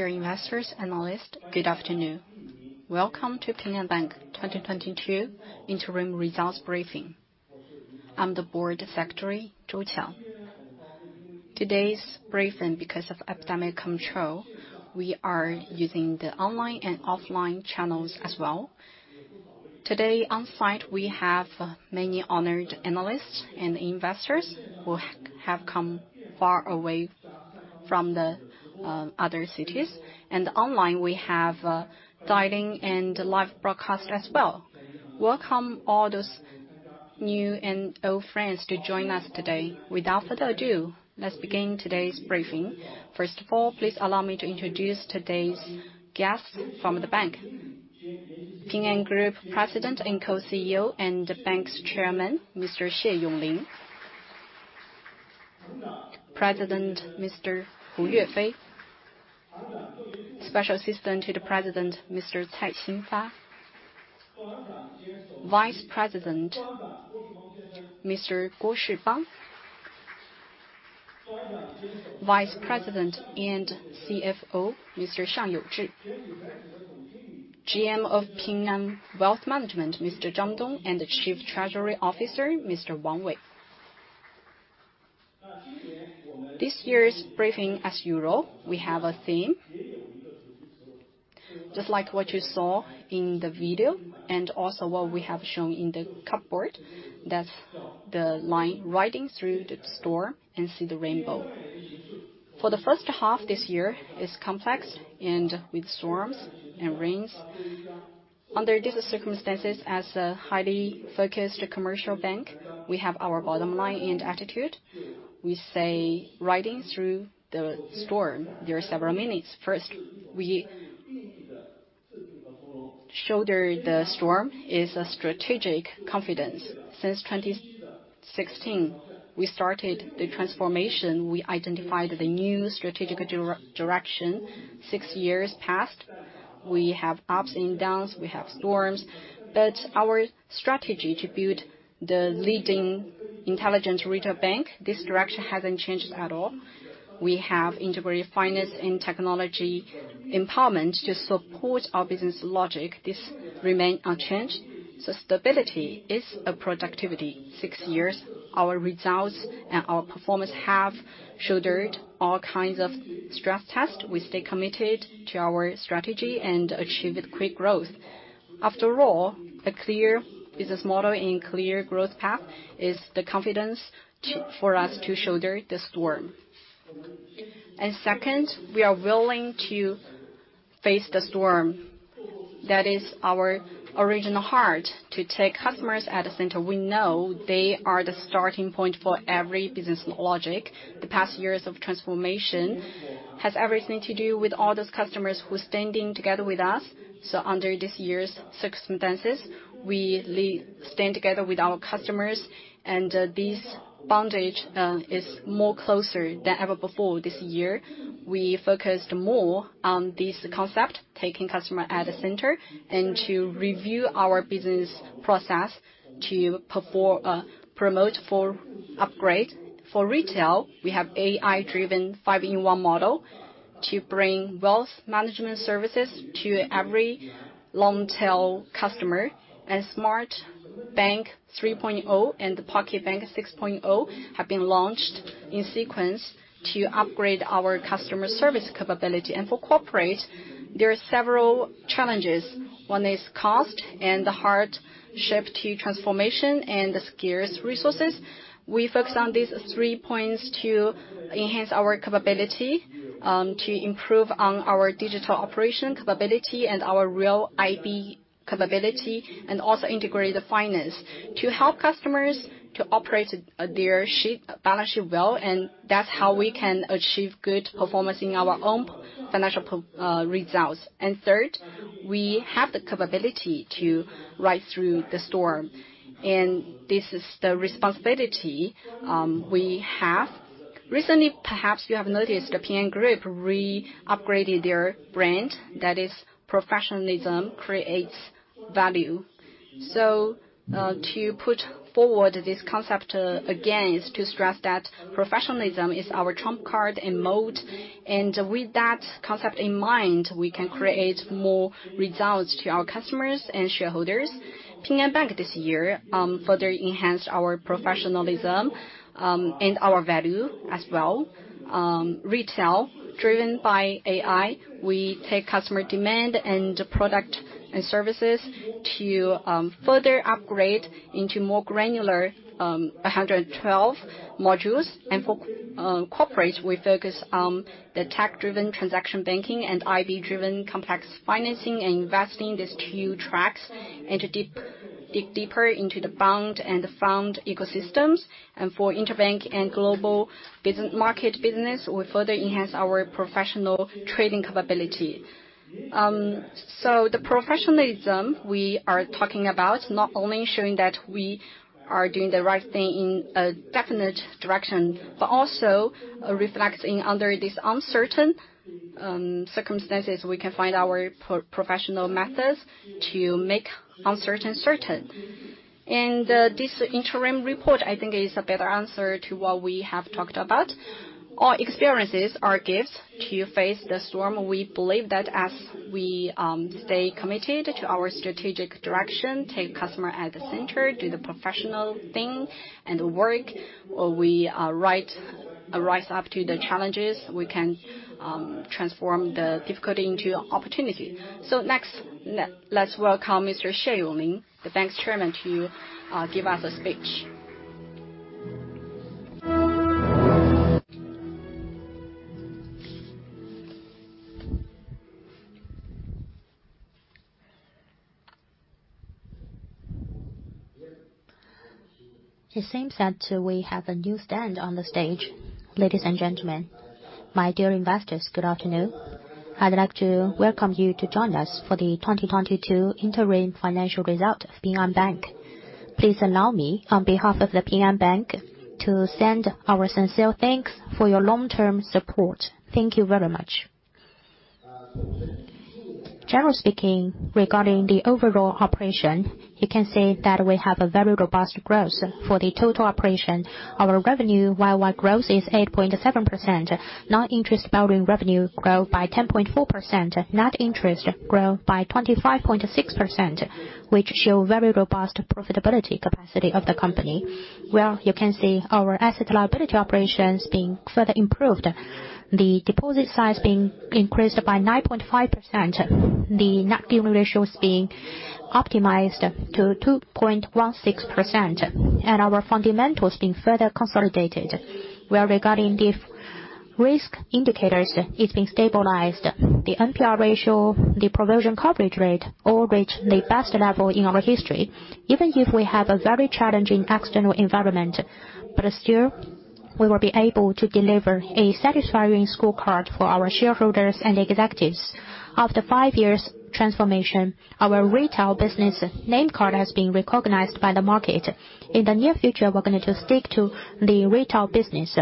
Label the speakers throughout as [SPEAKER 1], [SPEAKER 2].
[SPEAKER 1] Dear investors, analysts, good afternoon. Welcome to Ping An Bank 2022 interim results briefing. I'm the Board Secretary, Zhou Qiang. Today's briefing because of epidemic control, we are using the online and offline channels as well. Today on site, we have many honored analysts and investors who have come far away from the other cities. Online, we have dialing and live broadcast as well. Welcome all those new and old friends to join us today. Without further ado, let's begin today's briefing. First of all, please allow me to introduce today's guests from the bank. Ping An Group President and Co-CEO and the Bank's Chairman, Mr. Xie Yonglin. President, Mr. Hu Yuefei. Special Assistant to the President, Mr. Cai Xinfa. Vice President, Mr. Guo Shibang. Vice President and CFO, Mr. Xiang Youzhi. GM of Ping An Wealth Management, Mr. Zhang Dong and the Chief Treasury Officer, Mr. Wang Wei. This year's briefing, as usual, we have a theme. Just like what you saw in the video and also what we have shown in the cupboard. That's the line, "Riding through the storm and see the rainbow." For the first half this year is complex and with storms and rains. Under these circumstances, as a highly focused commercial bank, we have our bottom line and attitude. We say riding through the storm, there are several meanings. First, we shoulder the storm is a strategic confidence. Since 2016 we started the transformation. We identified the new strategic direction. Six years passed. We have ups and downs. We have storms. Our strategy to build the leading intelligent retail bank, this direction hasn't changed at all. We have integrated finance and technology empowerment to support our business logic. This remain unchanged. Stability is a productivity. Six years our results and our performance have shouldered all kinds of stress test. We stay committed to our strategy and achieved quick growth. After all, a clear business model and clear growth path is the confidence for us to shoulder the storm. Second, we are willing to face the storm. That is our original heart, to take customers at the center. We know they are the starting point for every business logic. The past years of transformation has everything to do with all those customers who's standing together with us. Under this year's circumstances, we stand together with our customers and this bond is more closer than ever before this year. We focused more on this concept, taking customer at the center and to review our business process to promote for upgrade. For retail, we have AI-driven five-in-one model to bring wealth management services to every long-tail customer. Smart Bank 3.0 and the Pocket Bank 6.0 have been launched in sequence to upgrade our customer service capability. For corporate, there are several challenges. One is cost and the hard shift to transformation and the scarce resources. We focus on these three points to enhance our capability, to improve on our digital operation capability and our Real IB capability and also integrate the finance to help customers to operate their balance sheet well. That's how we can achieve good performance in our own financial results. Third, we have the capability to ride through the storm and this is the responsibility we have. Recently, perhaps you have noticed the Ping An Group re-upgraded their brand. That is, professionalism creates value. To put forward this concept again is to stress that professionalism is our trump card and mode. With that concept in mind, we can create more results to our customers and shareholders. Ping An Bank this year further enhanced our professionalism and our value as well. Retail driven by AI, we take customer demand and product and services to further upgrade into more granular 112 modules. For corporate, we focus on the tech-driven transaction banking and IB-driven complex financing and investing these two tracks and to dig deeper into the bond and the fund ecosystems. For interbank and global business, market business, we further enhance our professional trading capability. The professionalism we are talking about not only showing that we are doing the right thing in a definite direction but also reflecting under these uncertain circumstances we can find our professional methods to make uncertain certain. This interim report, I think, is a better answer to what we have talked about. All experiences are gifts to face the storm. We believe that as we stay committed to our strategic direction, take customer at the center, do the professional thing and work, we rise up to the challenges, we can transform the difficulty into opportunity. Next, let's welcome Mr. Xie Yonglin, the bank's Chairman to give us a speech.
[SPEAKER 2] It seems that we have a new stand on the stage. Ladies and gentlemen, my dear investors, good afternoon. I'd like to welcome you to join us for the 2022 interim financial result of Ping An Bank. Please allow me, on behalf of Ping An Bank, to send our sincere thanks for your long-term support. Thank you very much. Generally speaking, regarding the overall operation, you can say that we have a very robust growth for the total operation. Our revenue YoY growth is 8.7%. Non-interest revenue grow by 10.4%. Net interest grow by 25.6%, which show very robust profitability capacity of the company. Well, you can see our asset liability operations being further improved. The deposit size being increased by 9.5%. The net accumulation is being optimized to 2.16%. Our fundamentals being further consolidated. Well, regarding the risk indicators, it's been stabilized. The NPL ratio, the provision coverage rate, all reached the best level in our history, even if we have a very challenging external environment. Still, we will be able to deliver a satisfying scorecard for our shareholders and executives. After five years transformation, our retail business name card has been recognized by the market. In the near future, we're gonna stick to the retail business,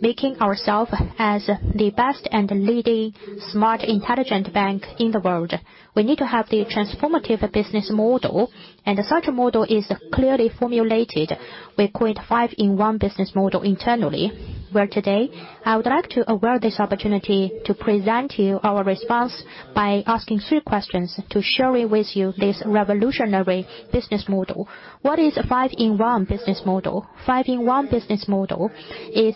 [SPEAKER 2] making ourself as the best and leading smart intelligent bank in the world. We need to have the transformative business model and such a model is clearly formulated. We call it five-in-one business model internally. Well, today, I would like to avail this opportunity to present to you our response by asking three questions to sharing with you this revolutionary business model. What is a five-in-one business model? Five-in-one business model is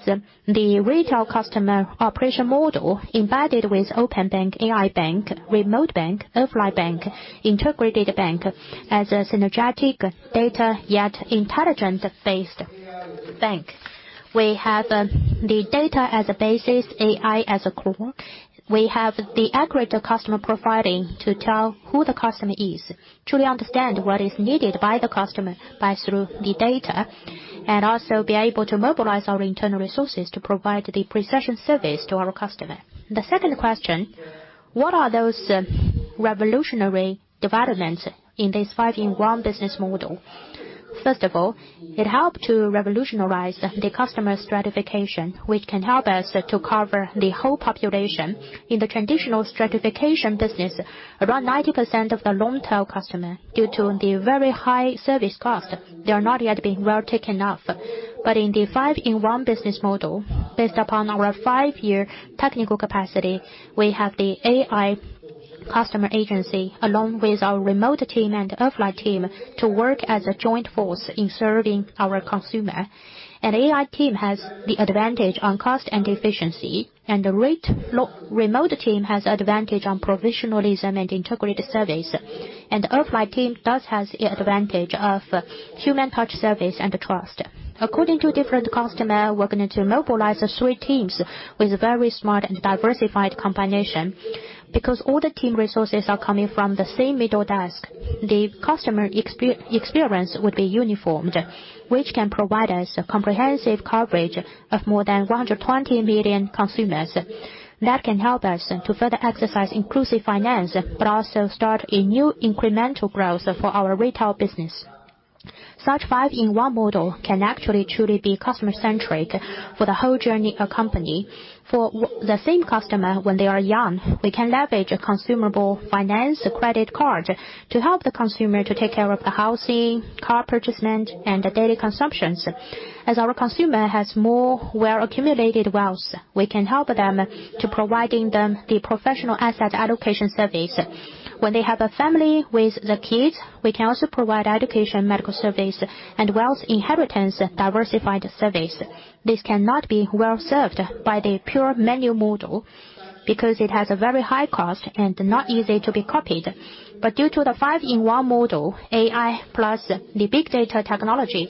[SPEAKER 2] the retail customer operation model embedded with open bank, AI bank, remote bank, offline bank, integrated bank as a synergetic data-driven yet intelligent-based bank. We have the data as a basis, AI as a core. We have the accurate customer profiling to tell who the customer is, truly understand what is needed by the customer through the data and also be able to mobilize our internal resources to provide the precision service to our customer. The second question. What are those revolutionary developments in this five-in-one business model? First of all, it helped to revolutionize the customer stratification, which can help us to cover the whole population. In the traditional stratification business, around 90% of the long-tail customer due to the very high service cost, they are not yet being well taken care of. In the five-in-one business model, based upon our five-year technical capacity, we have the AI customer agency, along with our remote team and offline team, to work as a joint force in serving our customers. An AI team has the advantage on cost and efficiency and the remote team has advantage on professionalism and integrated service. The offline team has the advantage of human touch service and trust. According to different customers, we're going to mobilize the three teams with a very smart and diversified combination. Because all the team resources are coming from the same middle desk, the customer experience would be uniform, which can provide us a comprehensive coverage of more than 120 million consumers. That can help us to further exercise inclusive finance but also start a new incremental growth for our retail business. Such five-in-one model can actually truly be customer-centric for the whole journey accompaniment. For the same customer, when they are young, we can leverage a consumer finance credit card to help the consumer to take care of the housing, car purchase and the daily consumptions. As our consumer has more well accumulated wealth, we can help them to providing them the professional asset allocation service. When they have a family with the kids, we can also provide education, medical service and wealth inheritance diversified service. This cannot be well served by the pure manual model because it has a very high cost and not easy to be copied. Due to the five-in-one model, AI plus the big data technology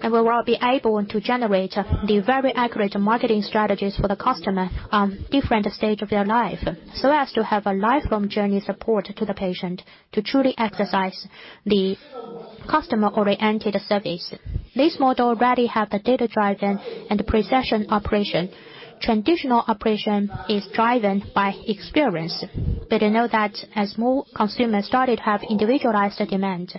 [SPEAKER 2] and we will be able to generate the very accurate marketing strategies for the customer on different stage of their life, so as to have a lifelong journey support to the client to truly exercise the customer-oriented service. This model already have the data-driven and precision operation. Traditional operation is driven by experience. We know that as more consumers started to have individualized demand,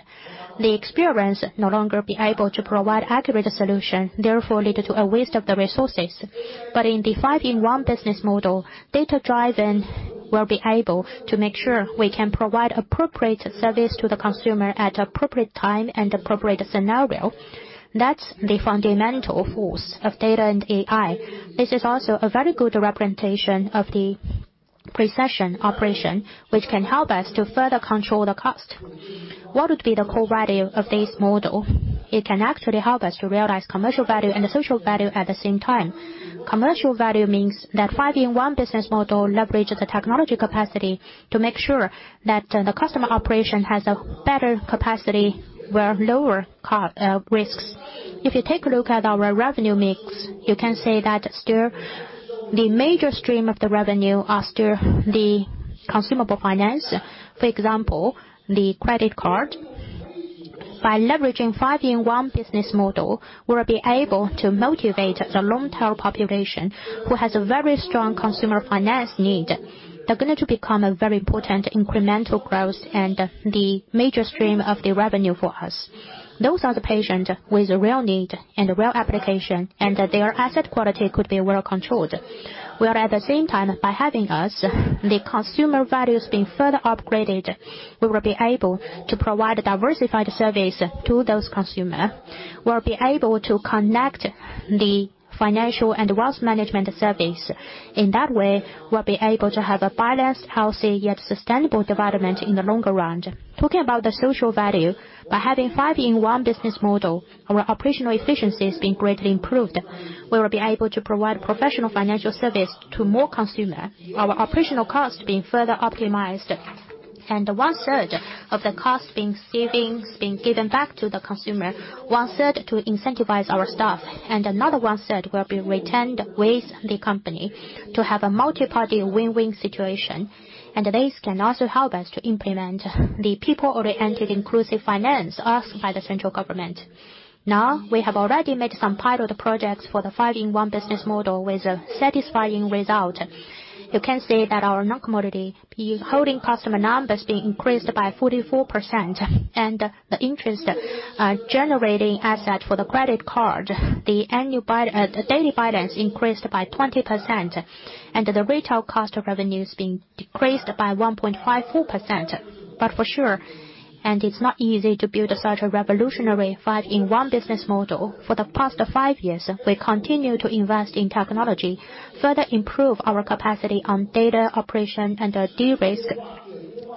[SPEAKER 2] the experience no longer be able to provide accurate solution, therefore lead to a waste of the resources. In the five-in-one business model, data-driven will be able to make sure we can provide appropriate service to the consumer at appropriate time and appropriate scenario. That's the fundamental force of data and AI. This is also a very good representation of the precision operation, which can help us to further control the cost. What would be the core value of this model? It can actually help us to realize commercial value and the social value at the same time. Commercial value means that five-in-one business model leverages the technology capacity to make sure that the customer operation has a better capacity with lower risks. If you take a look at our revenue mix, you can say that still the major stream of the revenue are still the consumer finance. For example, the credit card. By leveraging five-in-one business model, we'll be able to motivate the long-term population who has a very strong consumer finance need. They're going to become a very important incremental growth and the major stream of the revenue for us. Those are the payers with a real need and a real application and their asset quality could be well controlled. At the same time, by having our, the consumer value is being further upgraded. We will be able to provide diversified services to those consumers. We'll be able to connect the financial and wealth management services. In that way, we'll be able to have a balanced, healthy, yet sustainable development in the longer run. Talking about the social value, by having five-in-one business model, our operational efficiency has been greatly improved. We will be able to provide professional financial services to more consumers. Our operational cost being further optimized and one-third of the cost savings being given back to the consumer, one-third to incentivize our staff and another one-third will be retained with the company to have a multiparty win-win situation. This can also help us to implement the people-oriented inclusive finance asked by the central government. Now, we have already made some pilot projects for the five-in-one business model with a satisfying result. You can see that our non-commodity holding customer numbers being increased by 44% and the interest generating asset for the credit card, the daily balance increased by 20%. The retail cost-to-revenue is being decreased by 1.54%. For sure, it's not easy to build such a revolutionary five-in-one business model. For the past five years, we continue to invest in technology, further improve our capacity on data operation and de-risk,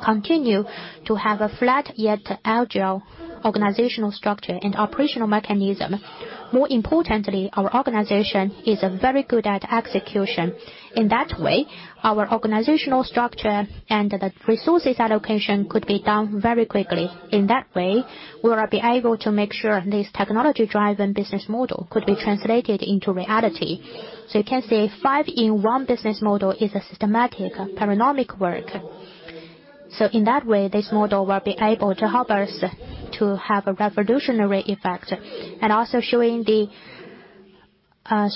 [SPEAKER 2] continue to have a flat yet agile organizational structure and operational mechanism. More importantly, our organization is very good at execution. In that way, our organizational structure and the resources allocation could be done very quickly. In that way, we will be able to make sure this technology-driven business model could be translated into reality. You can say five-in-one business model is a systematic panoramic work. In that way, this model will be able to help us to have a revolutionary effect and also showing the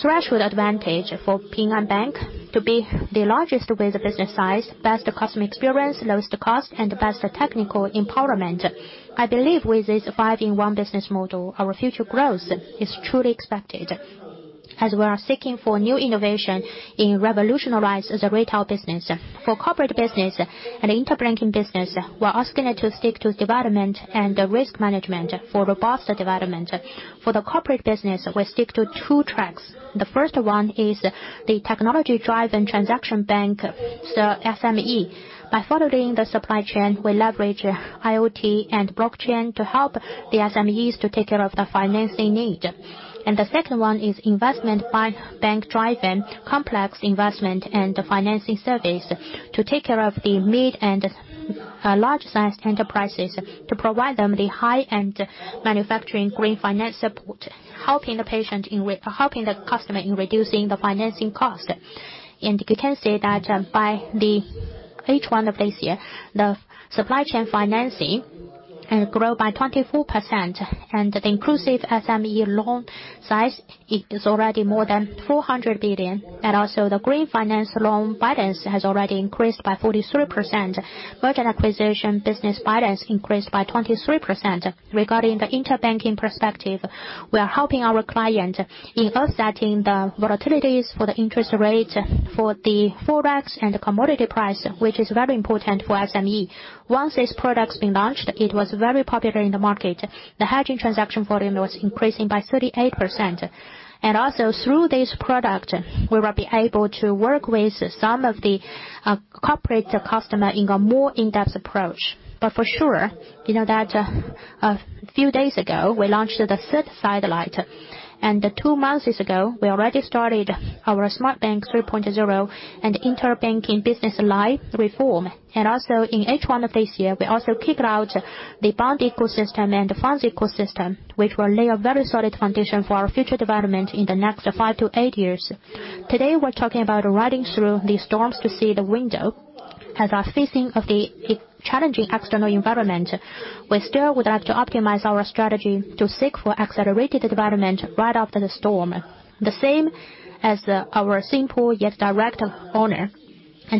[SPEAKER 2] threshold advantage for Ping An Bank to be the largest with the business size, best customer experience, lowest cost and the best technical empowerment. I believe with this five-in-one business model, our future growth is truly expected as we are seeking for new innovation in revolutionize the retail business. For corporate business and interbank business, we're asking it to stick to development and risk management for robust development. For the corporate business, we stick to two tracks. The first one is the technology-driven transaction bank, so SME. By following the supply chain, we leverage IoT and blockchain to help the SMEs to take care of the financing need. The second one is investment by bank-driven complex investment and financing service to take care of the mid and large-sized enterprises to provide them the high-end manufacturing green finance support, helping the customer in reducing the financing cost. You can see that by the H1 of this year, the supply chain financing grow by 24%. The inclusive SME loan size is already more than 400 billion. The green finance loan balance has already increased by 43%. Merger acquisition business balance increased by 23%. Regarding the interbank perspective, we are helping our client in offsetting the volatilities for the interest rate for the forex and commodity price, which is very important for SME. Once this product's been launched, it was very popular in the market. The hedging transaction volume was increasing by 38%. Through this product, we will be able to work with some of the corporate customer in a more in-depth approach. For sure, you know that a few days ago, we launched the third satellite. Two months ago, we already started our Smart Bank 3.0 and interbank business line reform. In H1 of this year, we kicked off the bond ecosystem and the funds ecosystem, which will lay a very solid foundation for our future development in the next five-eight years. Today, we're talking about riding through the storms to see the rainbow. As we are facing the challenging external environment, we still would like to optimize our strategy to seek for accelerated development right after the storm. The same as our simple yet direct honor.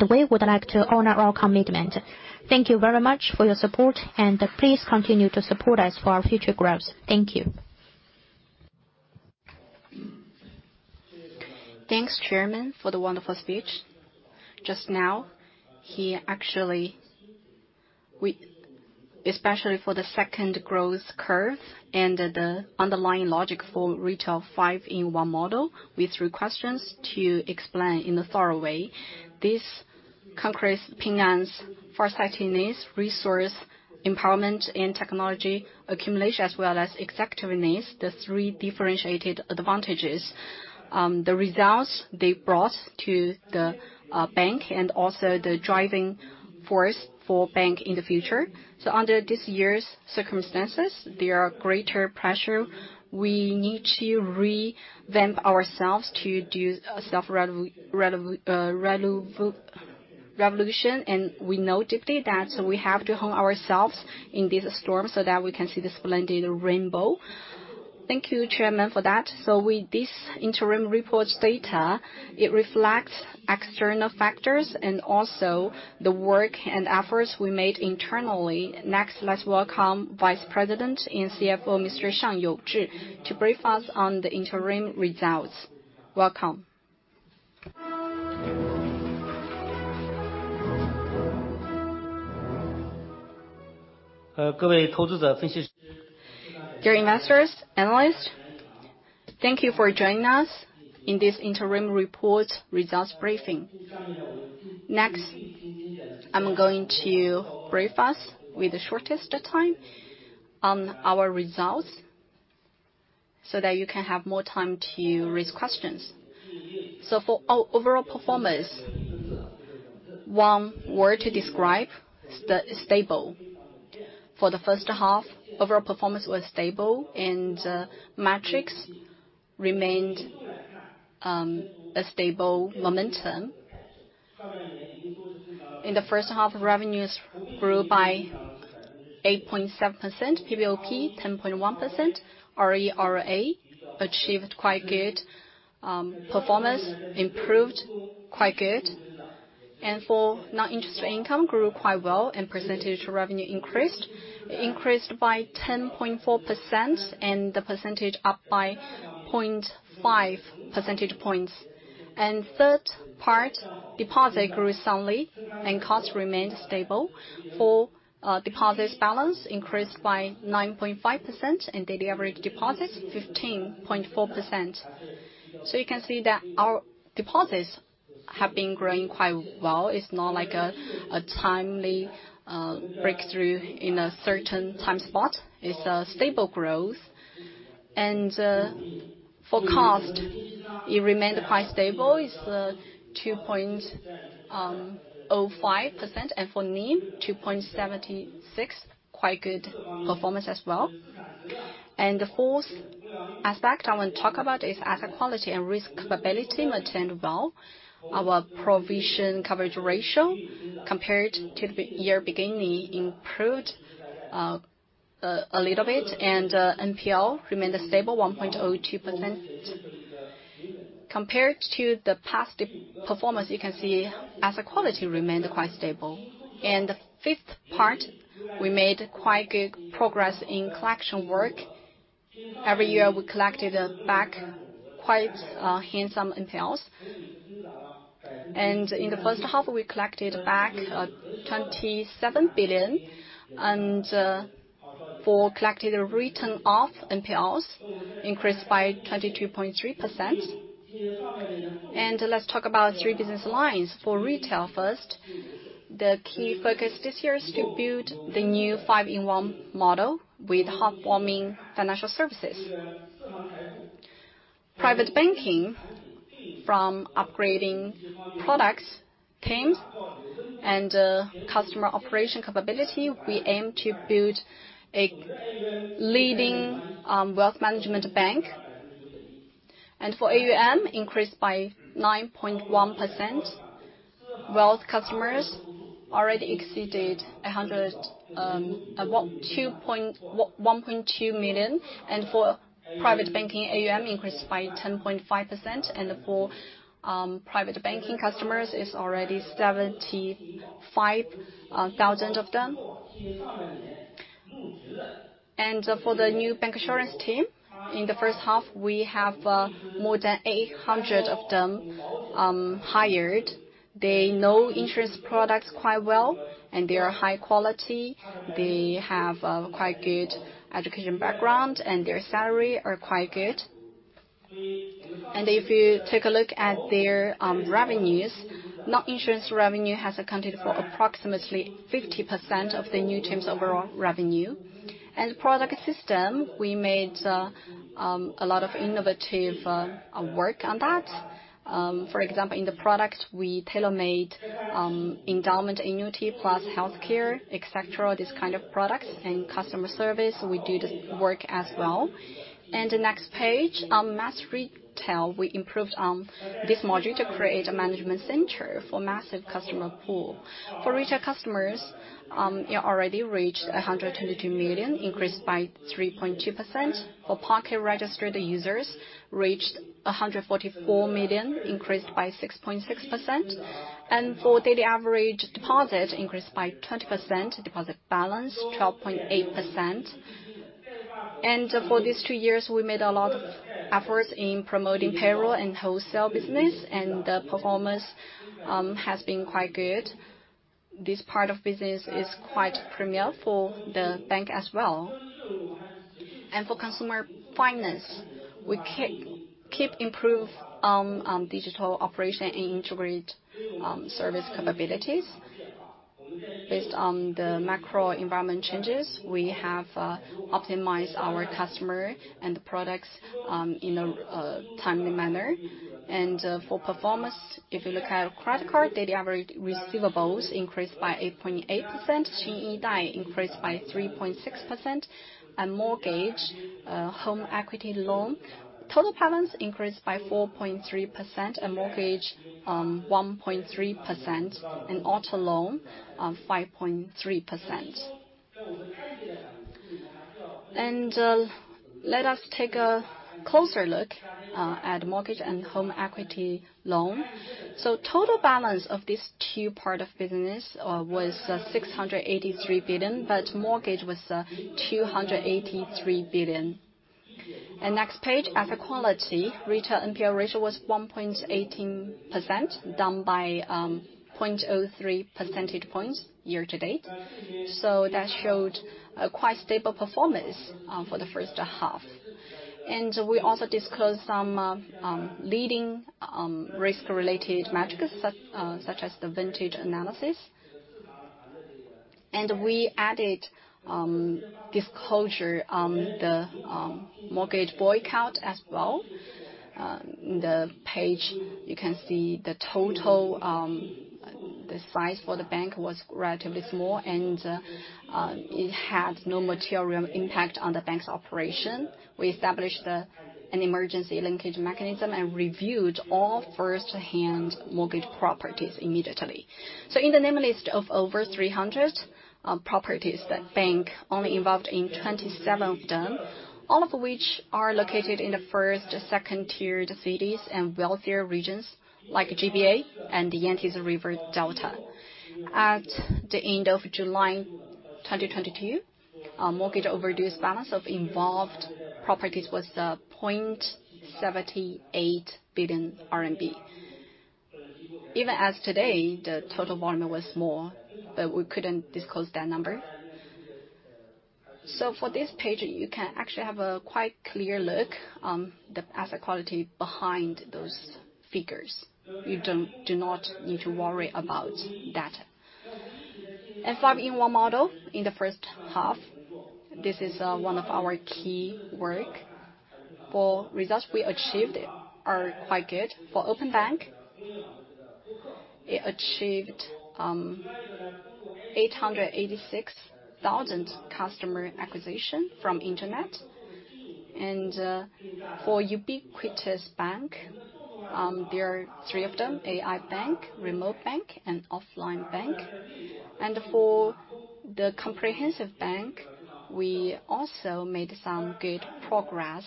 [SPEAKER 2] We would like to honor our commitment. Thank you very much for your support and please continue to support us for our future growth. Thank you.
[SPEAKER 1] Thanks, Chairman, for the wonderful speech. Just now, he actually especially for the second growth curve and the underlying logic for retail five-in-one model with three questions to explain in a thorough way. This conveys Ping An's farsightedness, resource empowerment and technology accumulation, as well as execution, the three differentiated advantages. The results they brought to the bank and also the driving force for bank in the future. Under this year's circumstances, there are greater pressure. We need to revamp ourselves to do a self-revolution and we know deeply that, so we have to hone ourselves in this storm so that we can see the splendid rainbow. Thank you, Chairman, for that. With this interim report data, it reflects external factors and also the work and efforts we made internally. Next, let's welcome Vice President and CFO, Mr. Xiang Youzhi to brief us on the interim results. Welcome.
[SPEAKER 3] Dear investors, analysts, thank you for joining us in this interim report results briefing. Next, I'm going to brief us with the shortest time on our results so that you can have more time to raise questions. Overall performance, one word to describe, stable. For the first half, overall performance was stable and metrics remained a stable momentum. In the first half, revenues grew by 8.7%, PPOP 10.1%. ROAA achieved quite good performance, improved quite good. For non-interest income grew quite well and percentage revenue increased. Increased by 10.4% and the percentage up by 0.5 percentage points. Third part, deposit grew solidly and costs remained stable. For deposits, balance increased by 9.5% and daily average deposits 15.4%. You can see that our deposits have been growing quite well. It's not like a timely breakthrough in a certain time spot. It's a stable growth. For cost, it remained quite stable. It's 2.5%. For NIM, 2.76%. Quite good performance as well. The fourth aspect I want to talk about is asset quality and risk capability maintained well. Our provision coverage ratio compared to the year beginning improved a little bit and NPL remained stable, 1.2%. Compared to the past performance, you can see asset quality remained quite stable. The fifth part, we made quite good progress in collection work. Every year, we collected back quite handsome NPLs. In the first half, we recovered 27 billion. Recovered written-off NPLs increased by 22.3%. Let's talk about three business lines. For retail first, the key focus this year is to build the new five-in-one model with heartwarming financial services. Private banking from upgrading products, teams and customer operation capability, we aim to build a leading wealth management bank. AUM increased by 9.1%. Wealth customers already exceeded 100, about 1.2 million. Private banking AUM increased by 10.5%. Private banking customers, it's already 75,000 of them. For the new bancassurance team, in the first half, we have more than 800 of them hired. They know insurance products quite well and they are high quality. They have quite good education background and their salary are quite good. If you take a look at their revenues, non-insurance revenue has accounted for approximately 50% of the new team's overall revenue. Product system, we made a lot of innovative work on that. For example, in the product, we tailor-made endowment annuity plus healthcare, et cetera, these kind of products and customer service, we do the work as well. The next page, our mass retail, we improved this module to create a management center for massive customer pool. For retail customers, it already reached 122 million, increased by 3.2%. For Pocket registered users reached 144 million, increased by 6.6%. For daily average deposit increased by 20%, deposit balance 12.8%. For these two years, we made a lot of efforts in promoting payroll and wholesale business and the performance has been quite good. This part of business is quite premium for the bank as well. For consumer finance, we keep improve on digital operation and integrate service capabilities. Based on the macro environment changes, we have optimized our customer and the products in a timely manner. For performance, if you look at our credit card, daily average receivables increased by 8.8%. Xinyidai increased by 3.6%. Mortgage home equity loan total balance increased by 4.3% and mortgage 1.3% and auto loan 5.3%. Let us take a closer look at mortgage and home equity loan. Total balance of these two part of business was 683 billion but mortgage was 283 billion. Next page, asset quality. Retail NPL ratio was 1.18%, down by 0.03 percentage points year to date. That showed a quite stable performance for the first half. We also disclosed some leading risk-related metrics, such as the vintage analysis. We added disclosure on the mortgage boycott as well. In the page, you can see the total size for the bank was relatively small and it had no material impact on the bank's operation. We established an emergency linkage mechanism and reviewed all first-hand mortgage properties immediately. In the name list of over 300 properties that the bank only involved in 27 of them, all of which are located in the first- and second-tier cities and wealthier regions like GBA and the Yangtze River Delta. At the end of July 2022, our mortgage overdue balance of involved properties was 0.78 billion RMB. Even as today, the total volume was more but we couldn't disclose that number. For this page, you can actually have a quite clear look on the asset quality behind those figures. You do not need to worry about that. Five-in-one model in the first half, this is one of our key work. The results we achieved are quite good. For open bank, it achieved 886,000 customer acquisition from internet. For ubiquitous bank, there are three of them, AI bank, remote bank and offline bank. For the comprehensive bank, we also made some good progress.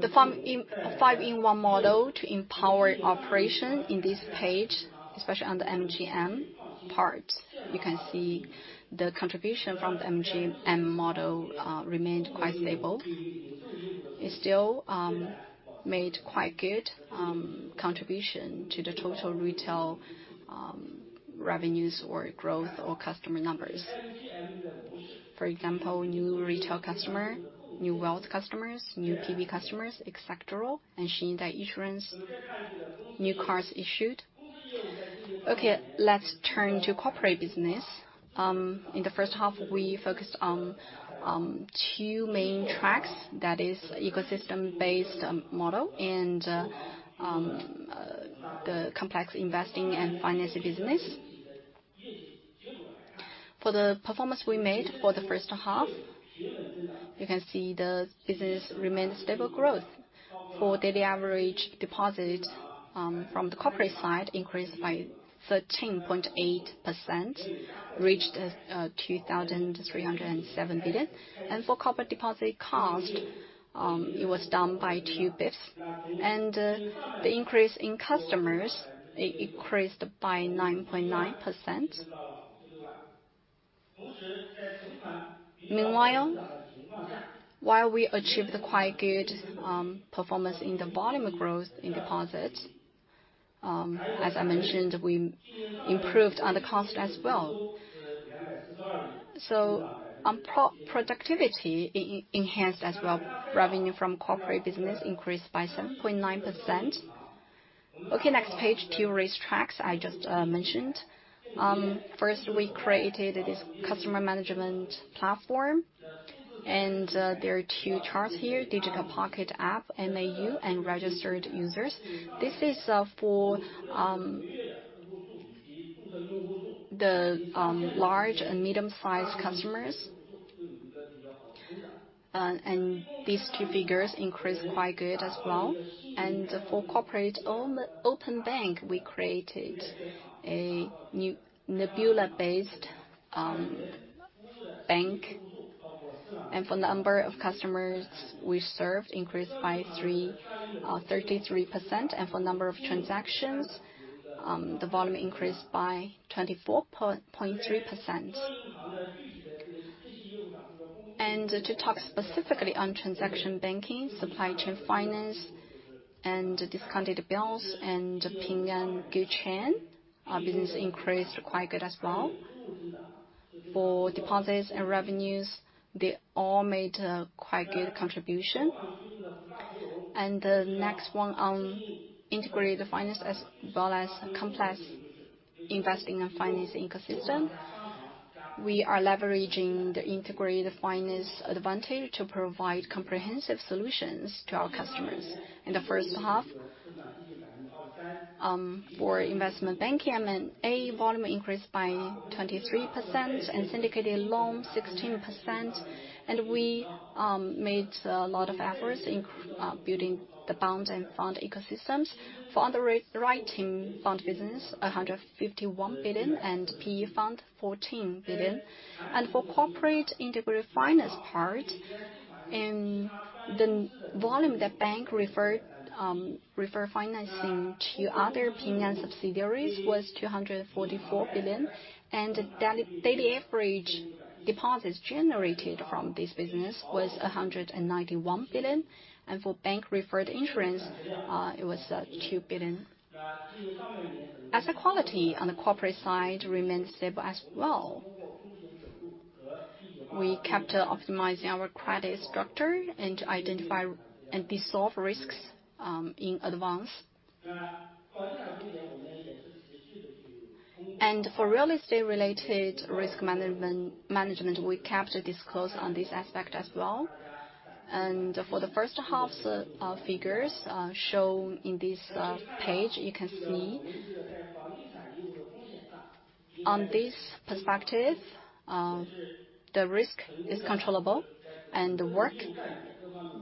[SPEAKER 3] The five-in-one model to empower operation in this page, especially on the MGM part, you can see the contribution from the MGM model remained quite stable. It still made quite good contribution to the total retail revenues or growth or customer numbers. For example, new retail customer, new wealth customers, new PB customers, et cetera and Xinyidai insurance, new cards issued. Okay, let's turn to corporate business. In the first half, we focused on two main tracks. That is ecosystem-based model and the complex investing and finance business. For the performance we made for the first half, you can see the business remained stable growth. For daily average deposit from the corporate side increased by 13.8%, reached 2,307 billion. For corporate deposit cost, it was down by two basis points. The increase in customers increased by 9.9%. Meanwhile, while we achieved quite good performance in the volume of growth in deposits, as I mentioned, we improved on the cost as well. On productivity, it enhanced as well. Revenue from corporate business increased by 7.9%. Okay. Next page, two race tracks I just mentioned. First, we created this customer management platform and there are two charts here, Digital Pocket App, MAU and registered users. This is for the large and medium-sized customers. And these two figures increased quite good as well. For corporate open bank, we created a new Nebula-based bank. For number of customers we served increased by 33%. For number of transactions, the volume increased by 24.3%. To talk specifically on transaction banking, supply chain finance and discounted bills and Ping An Good Chain, our business increased quite good as well. For deposits and revenues, they all made a quite good contribution. For the next one on integrated finance, as well as complex investing and finance ecosystem. We are leveraging the integrated finance advantage to provide comprehensive solutions to our customers. In the first half, for investment banking, M&A volume increased by 23% and syndicated loans 16%. We made a lot of efforts in building the bond and fund ecosystems. For underwriting fund business, 151 billion and PE fund, 14 billion. For corporate integrated finance part, in the volume that bank referred, refer financing to other Ping An subsidiaries was 244 billion. Daily average deposits generated from this business was 191 billion. For bank-referred insurance, it was 2 billion. Asset quality on the corporate side remained stable as well. We kept optimizing our credit structure and identify and resolve risks in advance. For real estate-related risk management, we kept disclosing on this aspect as well. For the first half's figures shown in this page, you can see. On this perspective, the risk is controllable and the work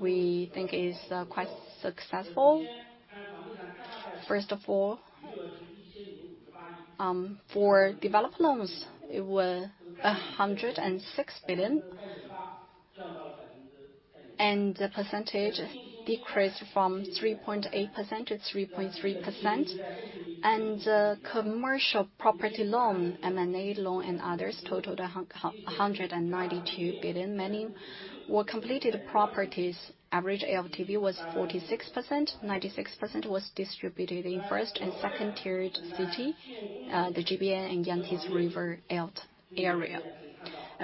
[SPEAKER 3] we think is quite successful. First of all, for developed loans, it was 106 billion. The percentage decreased from 3.8% to 3.3%. Commercial property loan, M&A loan and others totaled 192 billion. Many were completed properties. Average LTV was 46%. 96% was distributed in first and second-tiered city, the GBA and Yangtze River area.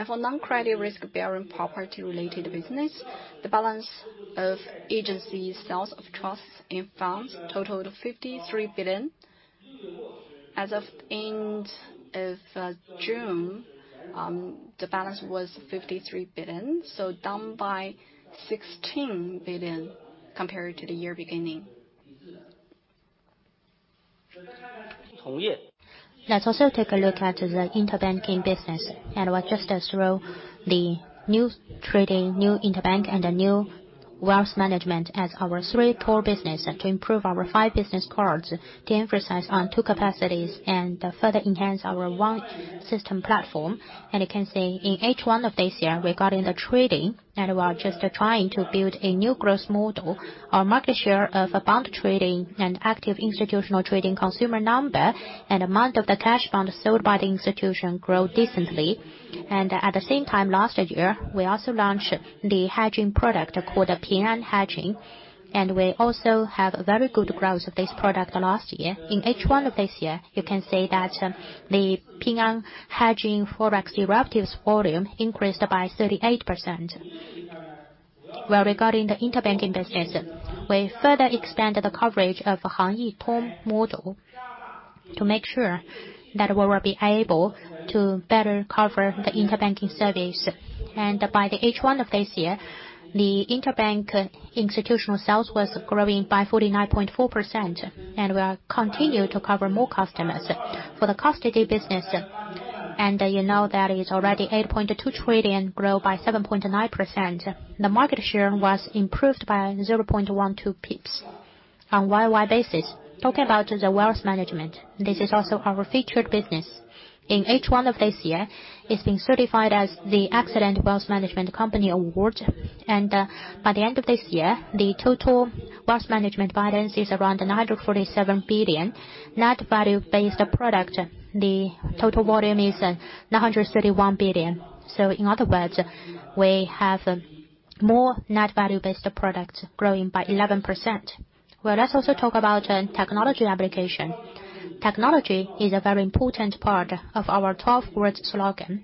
[SPEAKER 3] For non-credit risk-bearing property-related business, the balance of agency sales of trusts and funds totaled 53 billion. As of end of June, the balance was 53 billion. Down by 16 billion compared to the year beginning. Let's also take a look at the interbank business. We're just through the new trading, new interbank and the new wealth management as our three core business to improve our five business cards, to emphasize on two capacities and to further enhance our one system platform. You can see in H1 of this year regarding the trading and we are just trying to build a new growth model. Our market share of bond trading and active institutional trading customer number and amount of the cash bond sold by the institution grow decently. At the same time, last year, we also launched the hedging product called Ping An Hedging. We also have very good growth of this product last year. In H1 of this year, you can see that, the Ping An Hedging Forex derivatives volume increased by 38%. Regarding the interbank business, we further expanded the coverage of 行e通 model to make sure that we will be able to better cover the interbank service. By the H1 of this year, the interbank institutional sales was growing by 49.4% and we are continue to cover more customers. For the custody business, you know that is already 8.2 trillion, grow by 7.9%. The market share was improved by 0.12 pips on year-on-year basis. Talking about the wealth management, this is also our featured business. In H1 of this year, it's been certified as the Excellent Wealth Management Company Award. By the end of this year, the total wealth management balance is around 947 billion. Net value-based product, the total volume is 931 billion. In other words, we have more net value-based products growing by 11%. Well, let's also talk about technology application. Technology is a very important part of our 12 words slogan.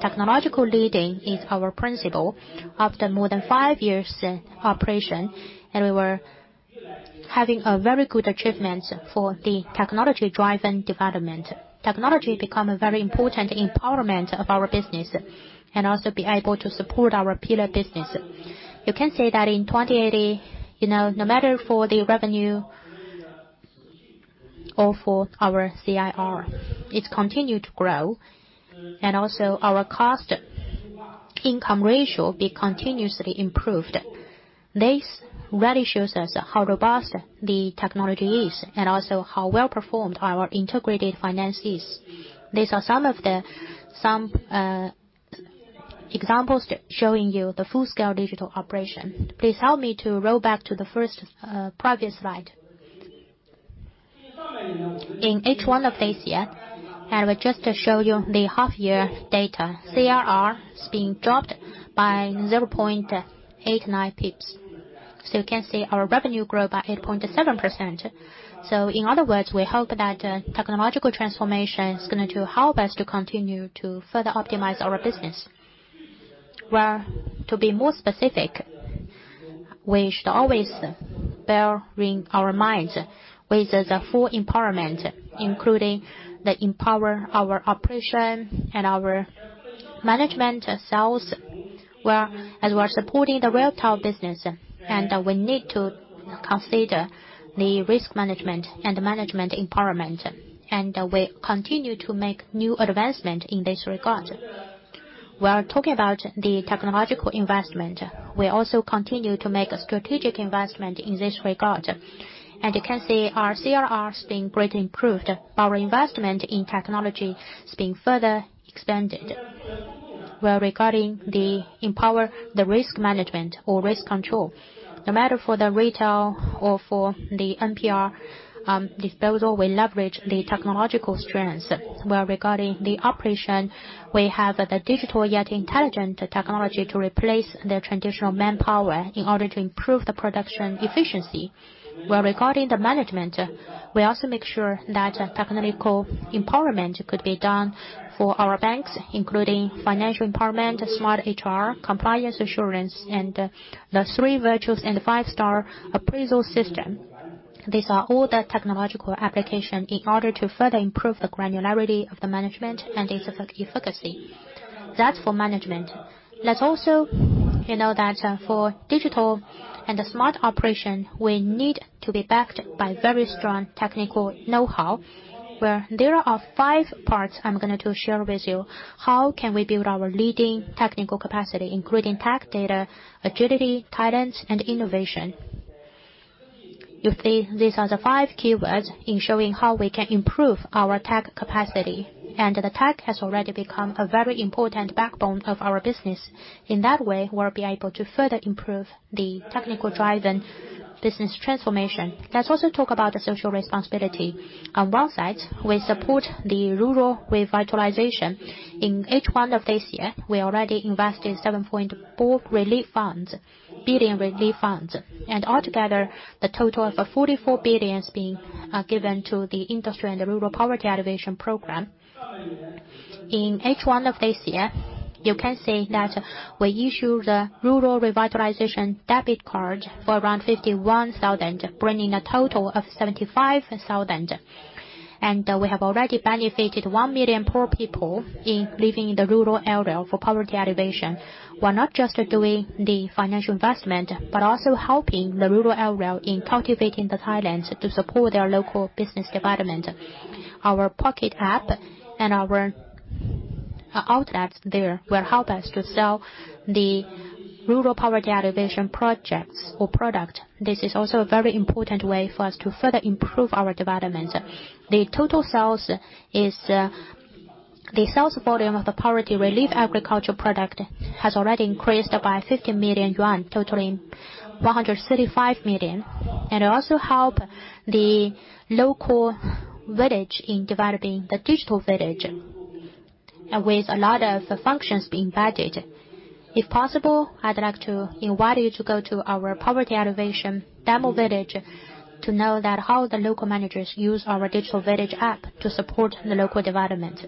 [SPEAKER 3] Technological leading is our principle after more than five years in operation and we were having a very good achievement for the technology-driven development. Technology become a very important empowerment of our business and also be able to support our pillar business. You can see that in 2018, no matter for the revenue or for our CIR, it's continued to grow and also our cost-income ratio be continuously improved. This really shows us how robust the technology is and also how well performed our integrated finance is. These are some examples showing you the full scale digital operation. Please help me to roll back to the first previous slide. In H1 of this year, just to show you the half-year data. CIR has been dropped by 0.89 pips. You can see our revenue grow by 8.7%. In other words, we hope that technological transformation is gonna to help us to continue to further optimize our business. To be more specific, we should always bear in our minds with the full empowerment, including the empower our operation and our management ourselves. Whereas we're supporting the real-time business and we need to consider the risk management and management empowerment. We continue to make new advancement in this regard. We're talking about the technological investment. We also continue to make a strategic investment in this regard. You can see our CIR has been greatly improved. Our investment in technology is being further expanded. Regarding the empowerment of risk management or risk control, no matter for the retail or for the NPL disposal, we leverage the technological strengths. Regarding the operation, we have the digital yet intelligent technology to replace the traditional manpower in order to improve the production efficiency. Regarding the management, we also make sure that technical empowerment could be done for our banks, including financial empowerment, smart HR, compliance assurance and the three virtues and the five-star appraisal system. These are all the technological application in order to further improve the granularity of the management and its efficacy. That's for management. Let's also, you know that for digital and the smart operation, we need to be backed by very strong technical know-how. There are five parts I'm gonna share with you. How can we build our leading technical capacity, including tech data, agility, talents and innovation? You see, these are the five keywords in showing how we can improve our tech capacity. The tech has already become a very important backbone of our business. In that way, we'll be able to further improve the technical drive and business transformation. Let's also talk about the social responsibility. On one side, we support the rural revitalization. In H1 of this year, we already invested 7.4 billion relief funds. Altogether, the total of 44 billion being given to the industry and the rural poverty alleviation program. In H1 of this year, you can see that we issue the rural revitalization debit card for around 51,000, bringing a total of 75,000. We have already benefited 1 million poor people living in the rural area for poverty alleviation. We're not just doing the financial investment but also helping the rural area in cultivating the talents to support their local business development. Our pocket app and our outlets there will help us to sell the rural poverty alleviation projects or product. This is also a very important way for us to further improve our development. The sales volume of the poverty relief agriculture product has already increased by 50 million yuan, totaling 135 million. It also help the local village in developing the digital village with a lot of functions being added. If possible, I'd like to invite you to go to our poverty alleviation demo village to know how the local managers use our digital village app to support the local development.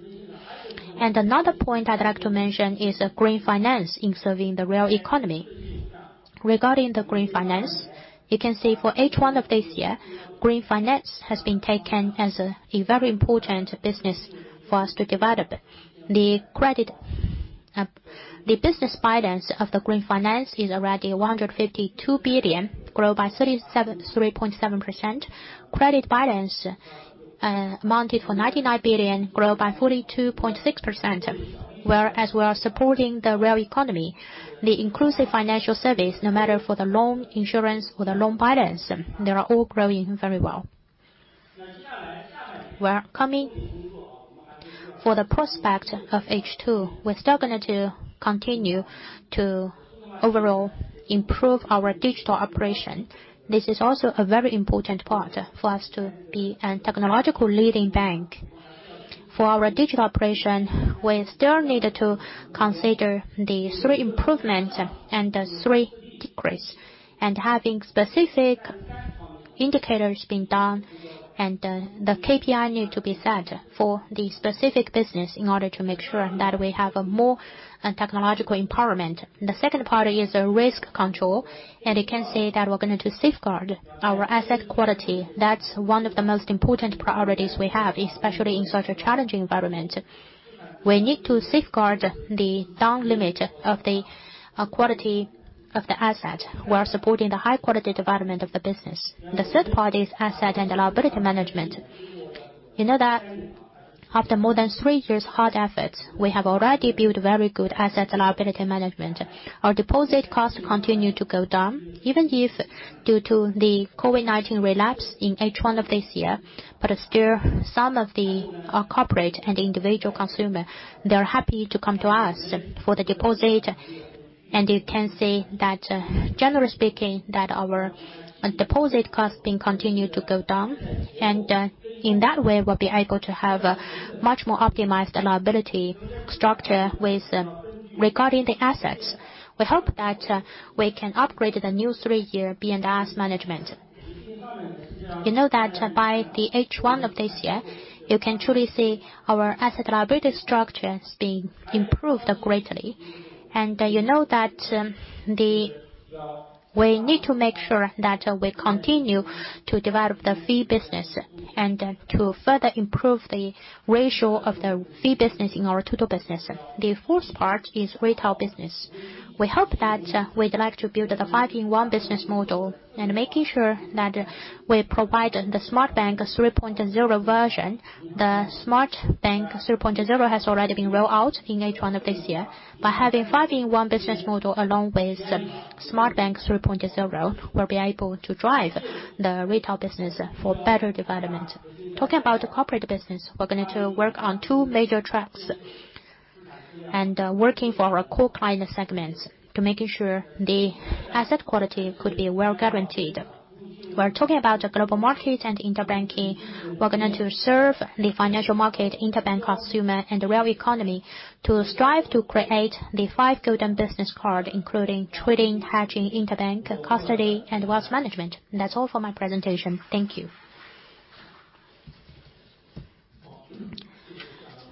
[SPEAKER 3] Another point I'd like to mention is green finance in serving the real economy. Regarding the green finance, you can see for H1 of this year, green finance has been taken as a very important business for us to develop. The credit, the business finance of the green finance is already 152 billion, grow by 37.3%. Credit balance amounted for 99 billion, grow by 42.6%, whereas we are supporting the real economy. The inclusive financial service, no matter for the loans, insurance or the loan balance, they are all growing very well. For the prospect of H2, we're still gonna continue to overall improve our digital operation. This is also a very important part for us to be a technological leading bank. For our digital operation, we still need to consider the three improvements and the three decreases and having specific indicators being done and the KPI need to be set for the specific business in order to make sure that we have a more technological empowerment. The second part is risk control and you can see that we're going to safeguard our asset quality. That's one of the most important priorities we have, especially in such a challenging environment. We need to safeguard the lower limit of the quality of the asset. We are supporting the high quality development of the business. The third part is asset and liability management. You know that after more than three years hard effort, we have already built very good asset liability management. Our deposit costs continue to go down, even if due to the COVID-19 relapse in H1 of this year. Still, some of the corporate and individual consumer, they're happy to come to us for the deposit. You can see that, generally speaking, that our deposit cost being continued to go down. In that way, we'll be able to have a much more optimized liability structure with, regarding the assets. We hope that we can upgrade the new three-year Balance Sheet management. You know that by the H1 of this year, you can truly see our asset liability structure is being improved greatly. You know that we need to make sure that we continue to develop the fee business and to further improve the ratio of the fee business in our total business. The fourth part is retail business. We hope that we'd like to build the five-in-one business model and making sure that we provide the Smart Bank 3.0 version. The Smart Bank 3.0 has already been rolled out in H1 of this year. By having five-in-one business model along with Smart Bank 3.0, we'll be able to drive the retail business for better development. Talking about the corporate business, we're going to work on two major tracks and working for our core client segments to making sure the asset quality could be well guaranteed. We're talking about the global market and interbank. We're going to serve the financial market, interbank consumer and the real economy to strive to create the five golden business card, including trading, hedging, interbank, custody and wealth management. That's all for my presentation. Thank you.